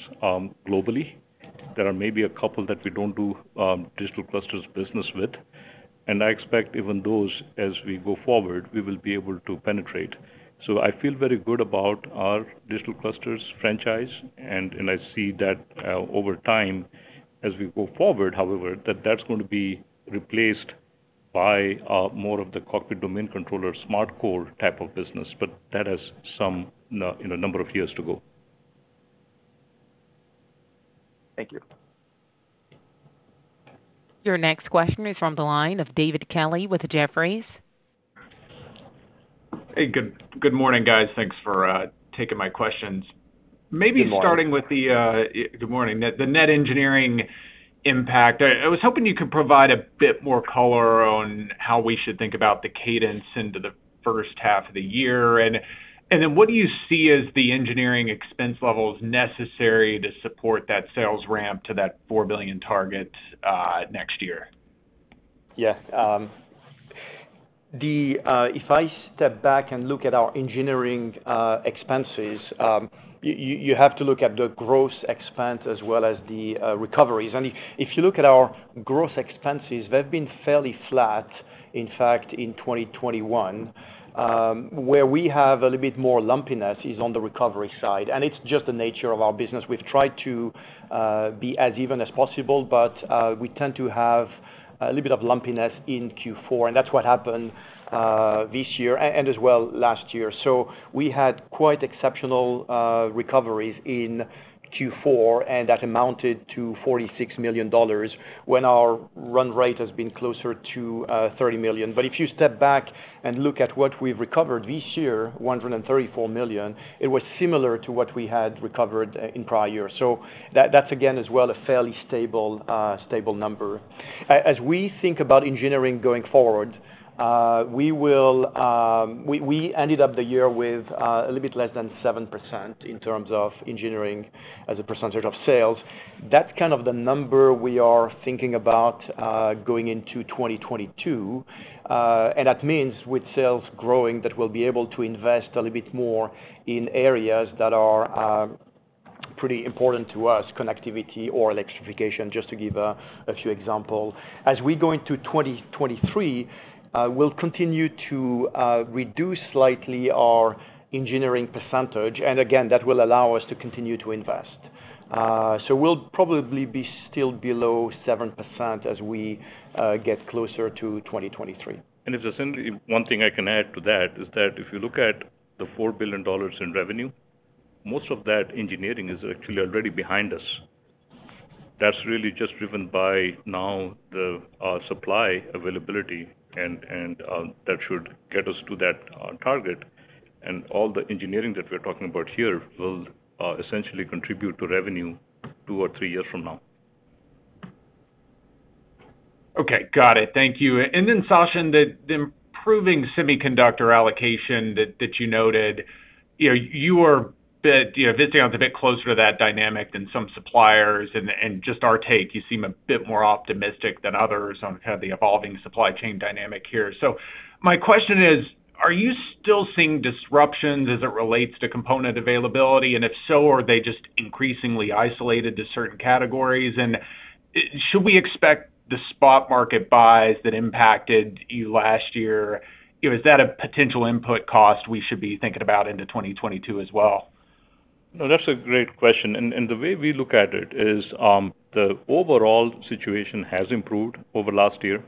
globally. There are maybe a couple that we don't do digital clusters business with, and I expect even those as we go forward, we will be able to penetrate. I feel very good about our digital clusters franchise, and I see that over time as we go forward, however, that's going to be replaced by more of the cockpit domain controller SmartCore type of business, but that has some you know, number of years to go. Thank you. Your next question is from the line of David Kelley with Jefferies. Hey, good morning, guys. Thanks for taking my questions. Good morning. Maybe starting with the good morning. The net engineering impact. I was hoping you could provide a bit more color on how we should think about the cadence into the H1 of the year. Then what do you see as the engineering expense levels necessary to support that sales ramp to that $4 billion target next year? Yeah. If I step back and look at our engineering expenses, you have to look at the gross expense as well as the recoveries. If you look at our gross expenses, they've been fairly flat, in fact, in 2021. Where we have a little bit more lumpiness is on the recovery side, and it's just the nature of our business. We've tried to be as even as possible, but we tend to have a little bit of lumpiness in Q4, and that's what happened this year and as well last year. We had quite exceptional recoveries in Q4, and that amounted to $46 million when our run rate has been closer to $30 million. If you step back and look at what we've recovered this year, $134 million, it was similar to what we had recovered in prior years. That's again, as well, a fairly stable number. As we think about engineering going forward, we ended up the year with a little bit less than 7% in terms of engineering as a percentage of sales. That's kind of the number we are thinking about going into 2022. That means with sales growing, that we'll be able to invest a little bit more in areas that are pretty important to us, connectivity or electrification, just to give a few example. As we go into 2023, we'll continue to reduce slightly our engineering percentage, and again, that will allow us to continue to invest. We'll probably be still below 7% as we get closer to 2023. If there's only one thing I can add to that is that if you look at the $4 billion in revenue, most of that engineering is actually already behind us. That's really just driven by now the supply availability and that should get us to that target. All the engineering that we're talking about here will essentially contribute to revenue two or three years from now. Okay. Got it. Thank you. Then Sachin, the improving semiconductor allocation that you noted. You know, you are a bit, you know, Visteon's a bit closer to that dynamic than some suppliers and just our take, you seem a bit more optimistic than others on kind of the evolving supply chain dynamic here. My question is, are you still seeing disruptions as it relates to component availability? And if so, are they just increasingly isolated to certain categories? Should we expect the spot market buys that impacted you last year, you know, is that a potential input cost we should be thinking about into 2022 as well? No, that's a great question. The way we look at it is the overall situation has improved over last year.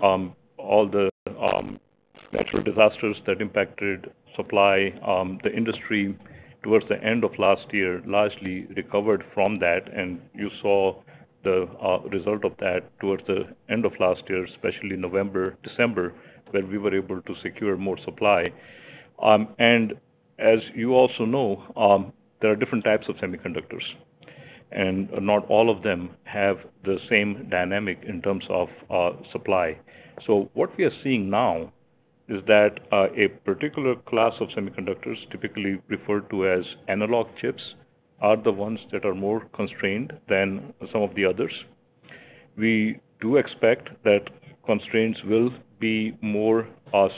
All the natural disasters that impacted supply the industry towards the end of last year largely recovered from that, and you saw the result of that towards the end of last year, especially November, December, where we were able to secure more supply. As you also know, there are different types of semiconductors, and not all of them have the same dynamic in terms of supply. What we are seeing now is that a particular class of semiconductors, typically referred to as analog chips, are the ones that are more constrained than some of the others. We do expect that constraints will be more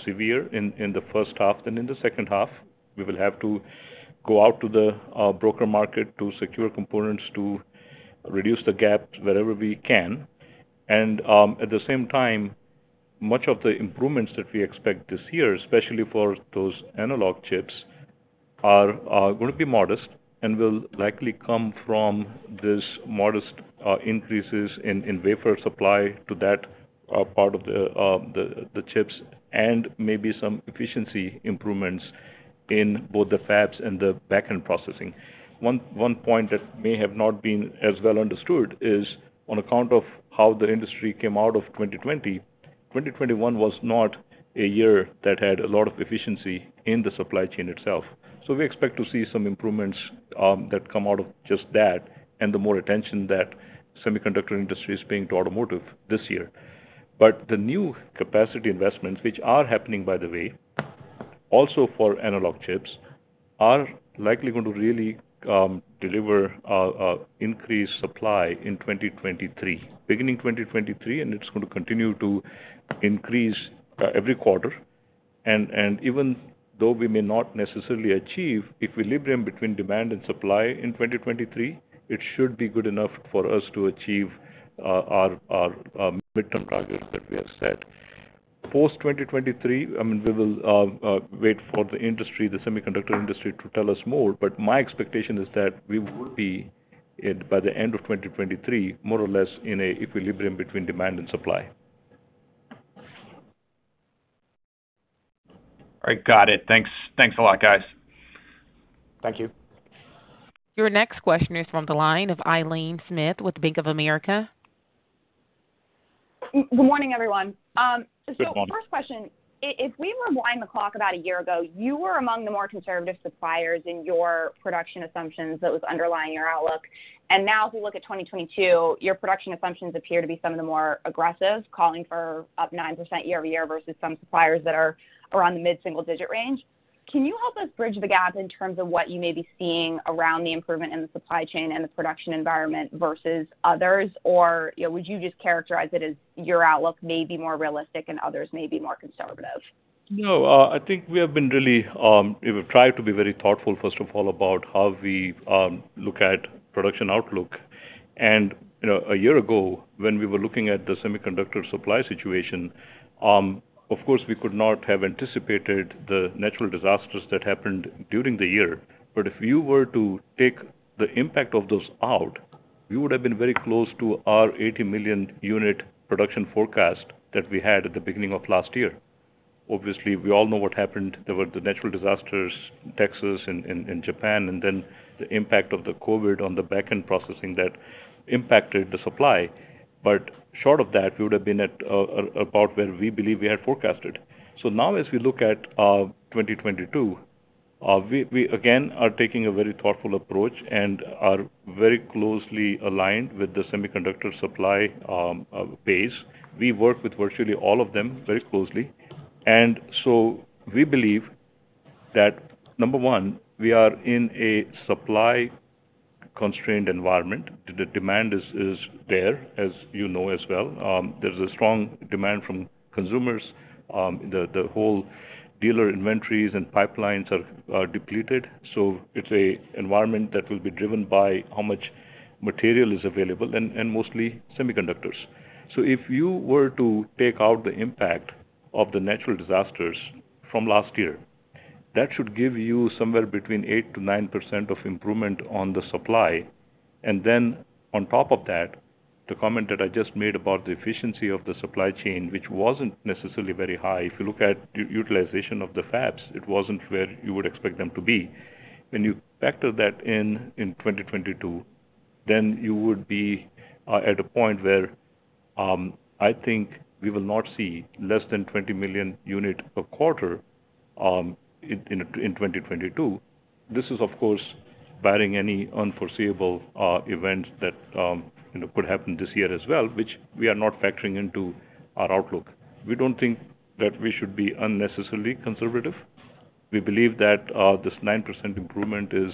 severe in the H1 than in the H2. We will have to go out to the broader market to secure components to reduce the gap wherever we can. At the same time, much of the improvements that we expect this year, especially for those analog chips, are gonna be modest and will likely come from this modest increases in wafer supply to that part of the chips and maybe some efficiency improvements in both the fabs and the back-end processing. One point that may have not been as well understood is on account of how the industry came out of 2020, 2021 was not a year that had a lot of efficiency in the supply chain itself. We expect to see some improvements that come out of just that and the more attention that semiconductor industry is paying to automotive this year. The new capacity investments, which are happening by the way, also for analog chips, are likely going to really deliver increased supply in 2023. Beginning 2023, and it's gonna continue to increase every quarter. Even though we may not necessarily achieve equilibrium between demand and supply in 2023, it should be good enough for us to achieve our midterm targets that we have set. Post 2023, I mean, we will wait for the industry, the semiconductor industry to tell us more, but my expectation is that we will be in, by the end of 2023, more or less in a equilibrium between demand and supply. All right. Got it. Thanks. Thanks a lot, guys. Thank you. Your next question is from the line of Aileen Smith with Bank of America. Good morning, everyone. Good morning. First question, if we rewind the clock about a year ago, you were among the more conservative suppliers in your production assumptions that was underlying your outlook. Now if we look at 2022, your production assumptions appear to be some of the more aggressive, calling for up 9% year-over-year versus some suppliers that are around the mid-single-digit range. Can you help us bridge the gap in terms of what you may be seeing around the improvement in the supply chain and the production environment versus others? Or, you know, would you just characterize it as your outlook may be more realistic and others may be more conservative? No, I think we have been really, we've tried to be very thoughtful, first of all, about how we look at production outlook. You know, a year ago, when we were looking at the semiconductor supply situation, of course, we could not have anticipated the natural disasters that happened during the year. If you were to take the impact of those out, we would have been very close to our 80 million unit production forecast that we had at the beginning of last year. Obviously, we all know what happened. There were the natural disasters in Texas and Japan, and then the impact of the COVID on the back-end processing that impacted the supply. Short of that, we would have been at about where we believe we had forecasted. Now as we look at 2022, we again are taking a very thoughtful approach and are very closely aligned with the semiconductor supply base. We work with virtually all of them very closely. We believe that, number one, we are in a supply-constrained environment. The demand is there, as you know as well. There's a strong demand from consumers. The whole dealer inventories and pipelines are depleted. It's an environment that will be driven by how much material is available and mostly semiconductors. If you were to take out the impact of the natural disasters from last year, that should give you somewhere between 8%-9% improvement on the supply. The comment that I just made about the efficiency of the supply chain, which wasn't necessarily very high. If you look at utilization of the fabs, it wasn't where you would expect them to be. When you factor that in in 2022, then you would be at a point where I think we will not see less than 20 million units per quarter in 2022. This is of course barring any unforeseeable event that you know could happen this year as well, which we are not factoring into our outlook. We don't think that we should be unnecessarily conservative. We believe that this 9% improvement is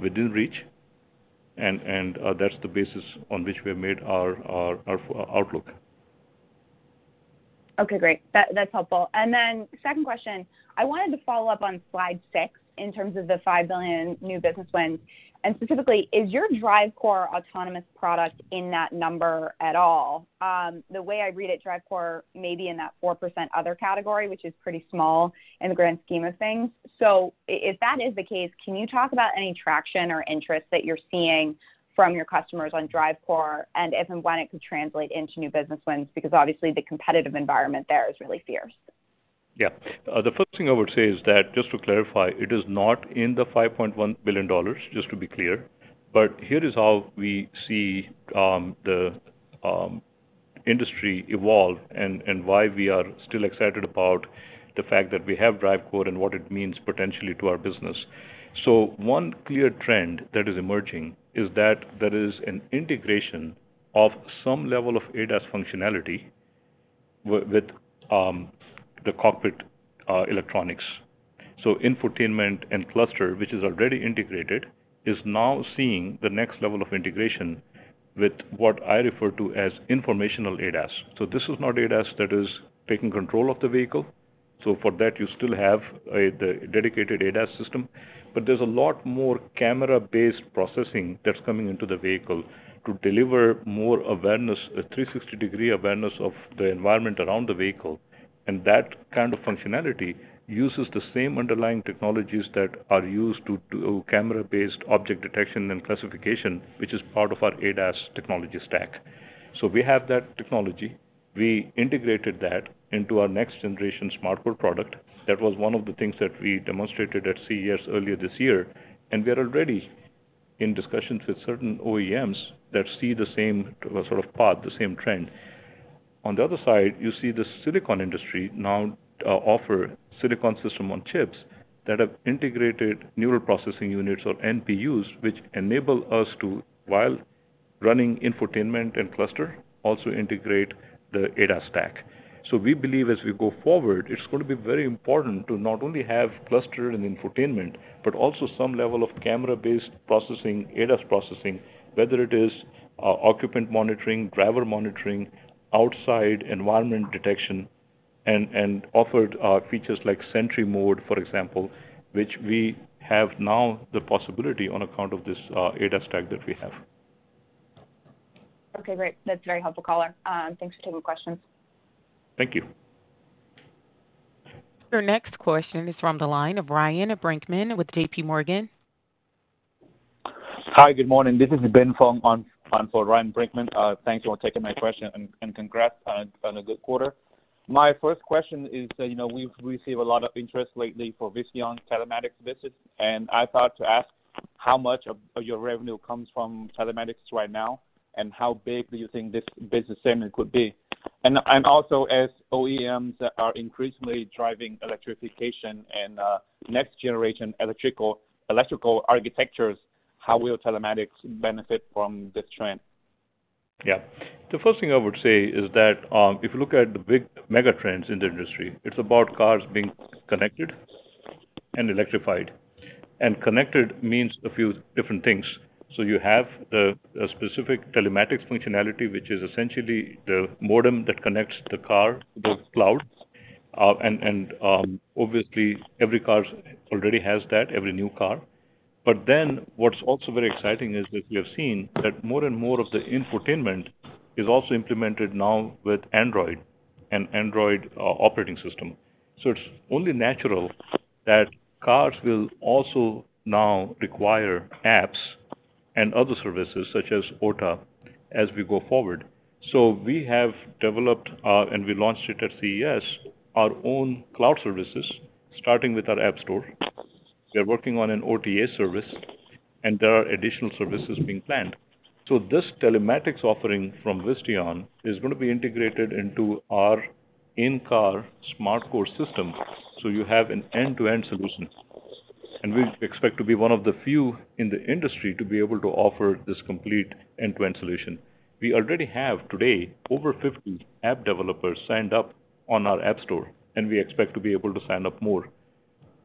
within reach, and that's the basis on which we have made our outlook. Okay, great. That's helpful. Second question, I wanted to follow up on slide six in terms of the $5 billion new business wins. Specifically, is your DriveCore autonomous product in that number at all? The way I read it, DriveCore may be in that 4% other category, which is pretty small in the grand scheme of things. If that is the case, can you talk about any traction or interest that you're seeing from your customers on DriveCore and if and when it could translate into new business wins? Because obviously the competitive environment there is really fierce. Yeah. The first thing I would say is that, just to clarify, it is not in the $5.1 billion, just to be clear. Here is how we see the industry evolve and why we are still excited about the fact that we have DriveCore and what it means potentially to our business. One clear trend that is emerging is that there is an integration of some level of ADAS functionality with the cockpit electronics. Infotainment and cluster, which is already integrated, is now seeing the next level of integration with what I refer to as informational ADAS. This is not ADAS that is taking control of the vehicle. For that, you still have the dedicated ADAS system. There's a lot more camera-based processing that's coming into the vehicle to deliver more awareness, a 360-degree awareness of the environment around the vehicle. That kind of functionality uses the same underlying technologies that are used to do camera-based object detection and classification, which is part of our ADAS technology stack. We have that technology. We integrated that into our next generation SmartCore product. That was one of the things that we demonstrated at CES earlier this year, and we are already in discussions with certain OEMs that see the same sort of path, the same trend. On the other side, you see the silicon industry now offer silicon system on chips that have integrated neural processing units or NPUs, which enable us to, while running infotainment and cluster, also integrate the ADAS stack. We believe as we go forward, it's gonna be very important to not only have cluster and infotainment, but also some level of camera-based processing, ADAS processing, whether it is occupant monitoring, driver monitoring, outside environment detection, and offered features like Sentry Mode, for example, which we have now the possibility on account of this ADAS stack that we have. Okay, great. That's very helpful, color. Thanks for taking the questions. Thank you. Your next question is from the line of Ryan Brinkman with JPMorgan. Hi, good morning. This is Ben Fung on for Ryan Brinkman. Thank you for taking my question, and congrats on a good quarter. My first question is, you know, we've received a lot of interest lately for Visteon telematics business, and I thought to ask how much of your revenue comes from telematics right now, and how big do you think this business segment could be? Also, as OEMs are increasingly driving electrification and next generation electrical architectures, how will telematics benefit from this trend? Yeah. The first thing I would say is that, if you look at the big mega trends in the industry, it's about cars being connected and electrified. Connected means a few different things. You have a specific telematics functionality, which is essentially the modem that connects the car to the cloud. Obviously every car already has that, every new car. What's also very exciting is that we have seen that more and more of the infotainment is also implemented now with Android operating system. It's only natural that cars will also now require apps and other services such as OTA as we go forward. We have developed and we launched it at CES, our own cloud services, starting with our app store. We are working on an OTA service, and there are additional services being planned. This telematics offering from Visteon is gonna be integrated into our in-car SmartCore system, so you have an end-to-end solution. We expect to be one of the few in the industry to be able to offer this complete end-to-end solution. We already have today over 50 app developers signed up on our app store, and we expect to be able to sign up more.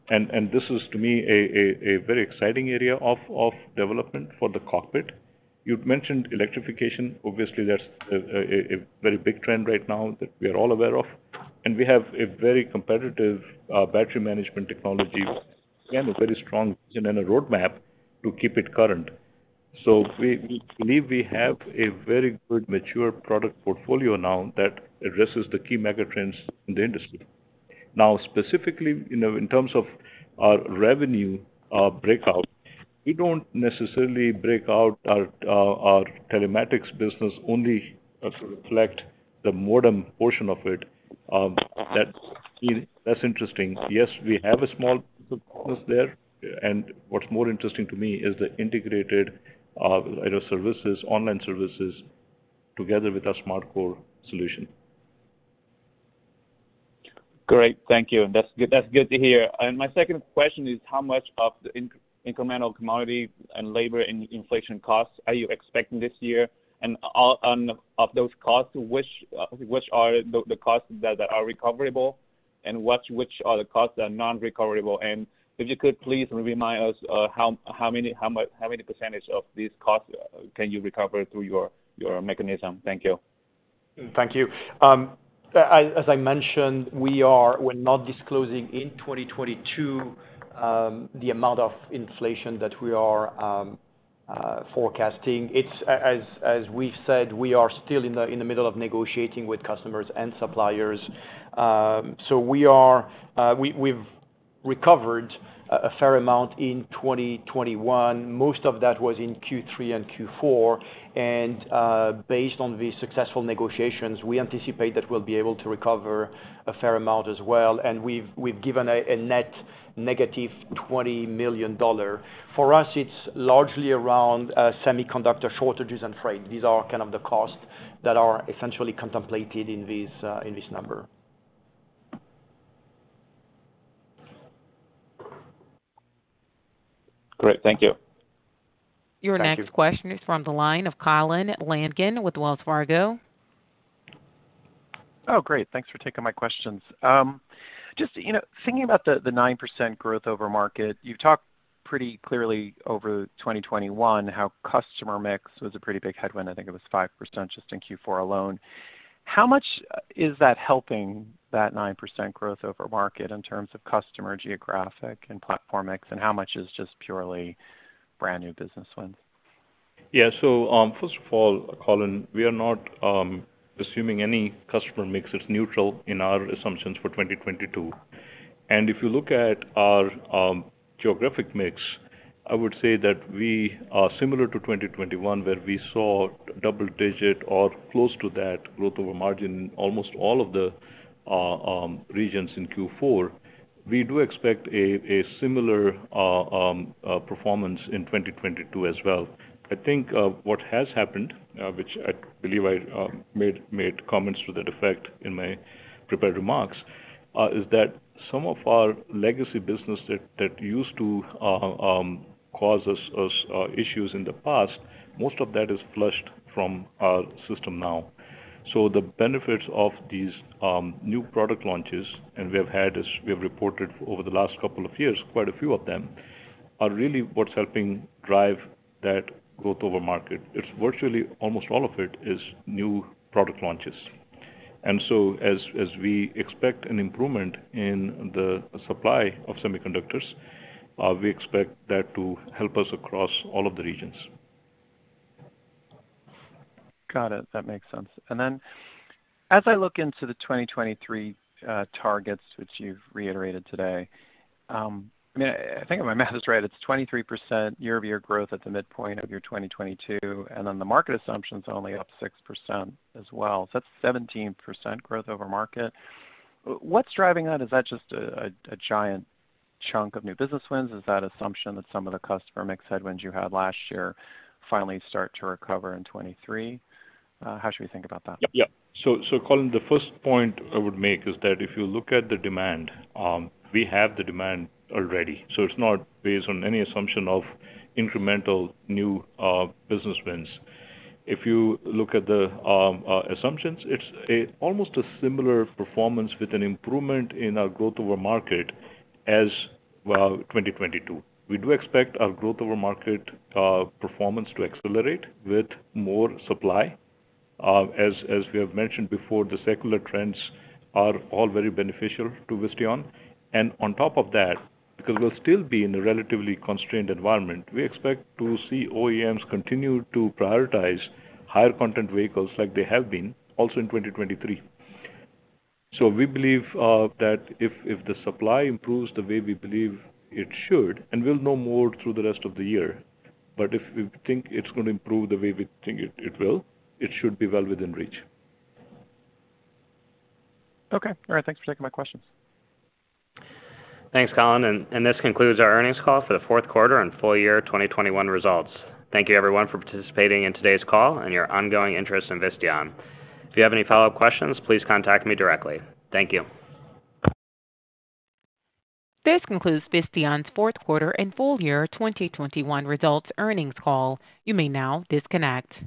This is, to me, a very exciting area of development for the cockpit. You'd mentioned electrification. Obviously, that's a very big trend right now that we are all aware of, and we have a very competitive battery management technology and a very strong roadmap to keep it current. We believe we have a very good mature product portfolio now that addresses the key mega trends in the industry. Now, specifically, you know, in terms of our revenue breakout, we don't necessarily break out our telematics business, only to reflect the modem portion of it. That's interesting. Yes, we have a small business there, and what's more interesting to me is the integrated services, online services together with our SmartCore solution. Great. Thank you. That's good, that's good to hear. My second question is, how much of the incremental commodity and labor and inflation costs are you expecting this year? On those costs, which are the costs that are recoverable, and which are the costs that are non-recoverable? If you could please remind us, how much percentage of these costs can you recover through your mechanism? Thank you. Thank you. As I mentioned, we are not disclosing in 2022 the amount of inflation that we are forecasting. It's as we've said, we are still in the middle of negotiating with customers and suppliers. We have recovered a fair amount in 2021. Most of that was in Q3 and Q4. Based on the successful negotiations, we anticipate that we'll be able to recover a fair amount as well. We have given a net negative $20 million. For us, it's largely around semiconductor shortages and freight. These are kind of the costs that are essentially contemplated in this number. Great. Thank you. Your next question is from the line of Colin Langan with Wells Fargo. Oh, great. Thanks for taking my questions. Just, you know, thinking about the 9% growth over market, you've talked pretty clearly over 2021 how customer mix was a pretty big headwind. I think it was 5% just in Q4 alone. How much is that helping that 9% growth over market in terms of customer geographic and platform mix, and how much is just purely brand new business wins? Yeah. First of all, Colin, we are not assuming any customer mix. It's neutral in our assumptions for 2022. If you look at our geographic mix, I would say that we are similar to 2021, where we saw double-digit or close to that growth over market in almost all of the regions in Q4. We do expect a similar performance in 2022 as well. I think what has happened, which I believe I made comments to that effect in my prepared remarks, is that some of our legacy business that used to cause us issues in the past, most of that is flushed from our system now. The benefits of these new product launches, and we have had, as we have reported over the last couple of years, quite a few of them, are really what's helping drive that growth over market. It's virtually almost all of it is new product launches. As we expect an improvement in the supply of semiconductors, we expect that to help us across all of the regions. Got it. That makes sense. As I look into the 2023 targets, which you've reiterated today, I mean, I think if my math is right, it's 23% year-over-year growth at the midpoint of your 2022, and then the market assumption's only up 6% as well. That's 17% growth over market. What's driving that? Is that just a giant chunk of new business wins? Is that assumption that some of the customer mix headwinds you had last year finally start to recover in 2023? How should we think about that? Colin, the first point I would make is that if you look at the demand, we have the demand already, so it's not based on any assumption of incremental new business wins. If you look at the assumptions, it's almost a similar performance with an improvement in our growth over market as well, 2022. We do expect our growth over market performance to accelerate with more supply. As we have mentioned before, the secular trends are all very beneficial to Visteon. On top of that, because we'll still be in a relatively constrained environment, we expect to see OEMs continue to prioritize higher content vehicles like they have been also in 2023. We believe that if the supply improves the way we believe it should, and we'll know more through the rest of the year, but if we think it's gonna improve the way we think it will, it should be well within reach. Okay. All right. Thanks for taking my questions. Thanks, Colin. This concludes our earnings call for the fourth quarter and full year 2021 results. Thank you everyone for participating in today's call and your ongoing interest in Visteon. If you have any follow-up questions, please contact me directly. Thank you. This concludes Visteon's fourth quarter and full year 2021 results earnings call. You may now disconnect.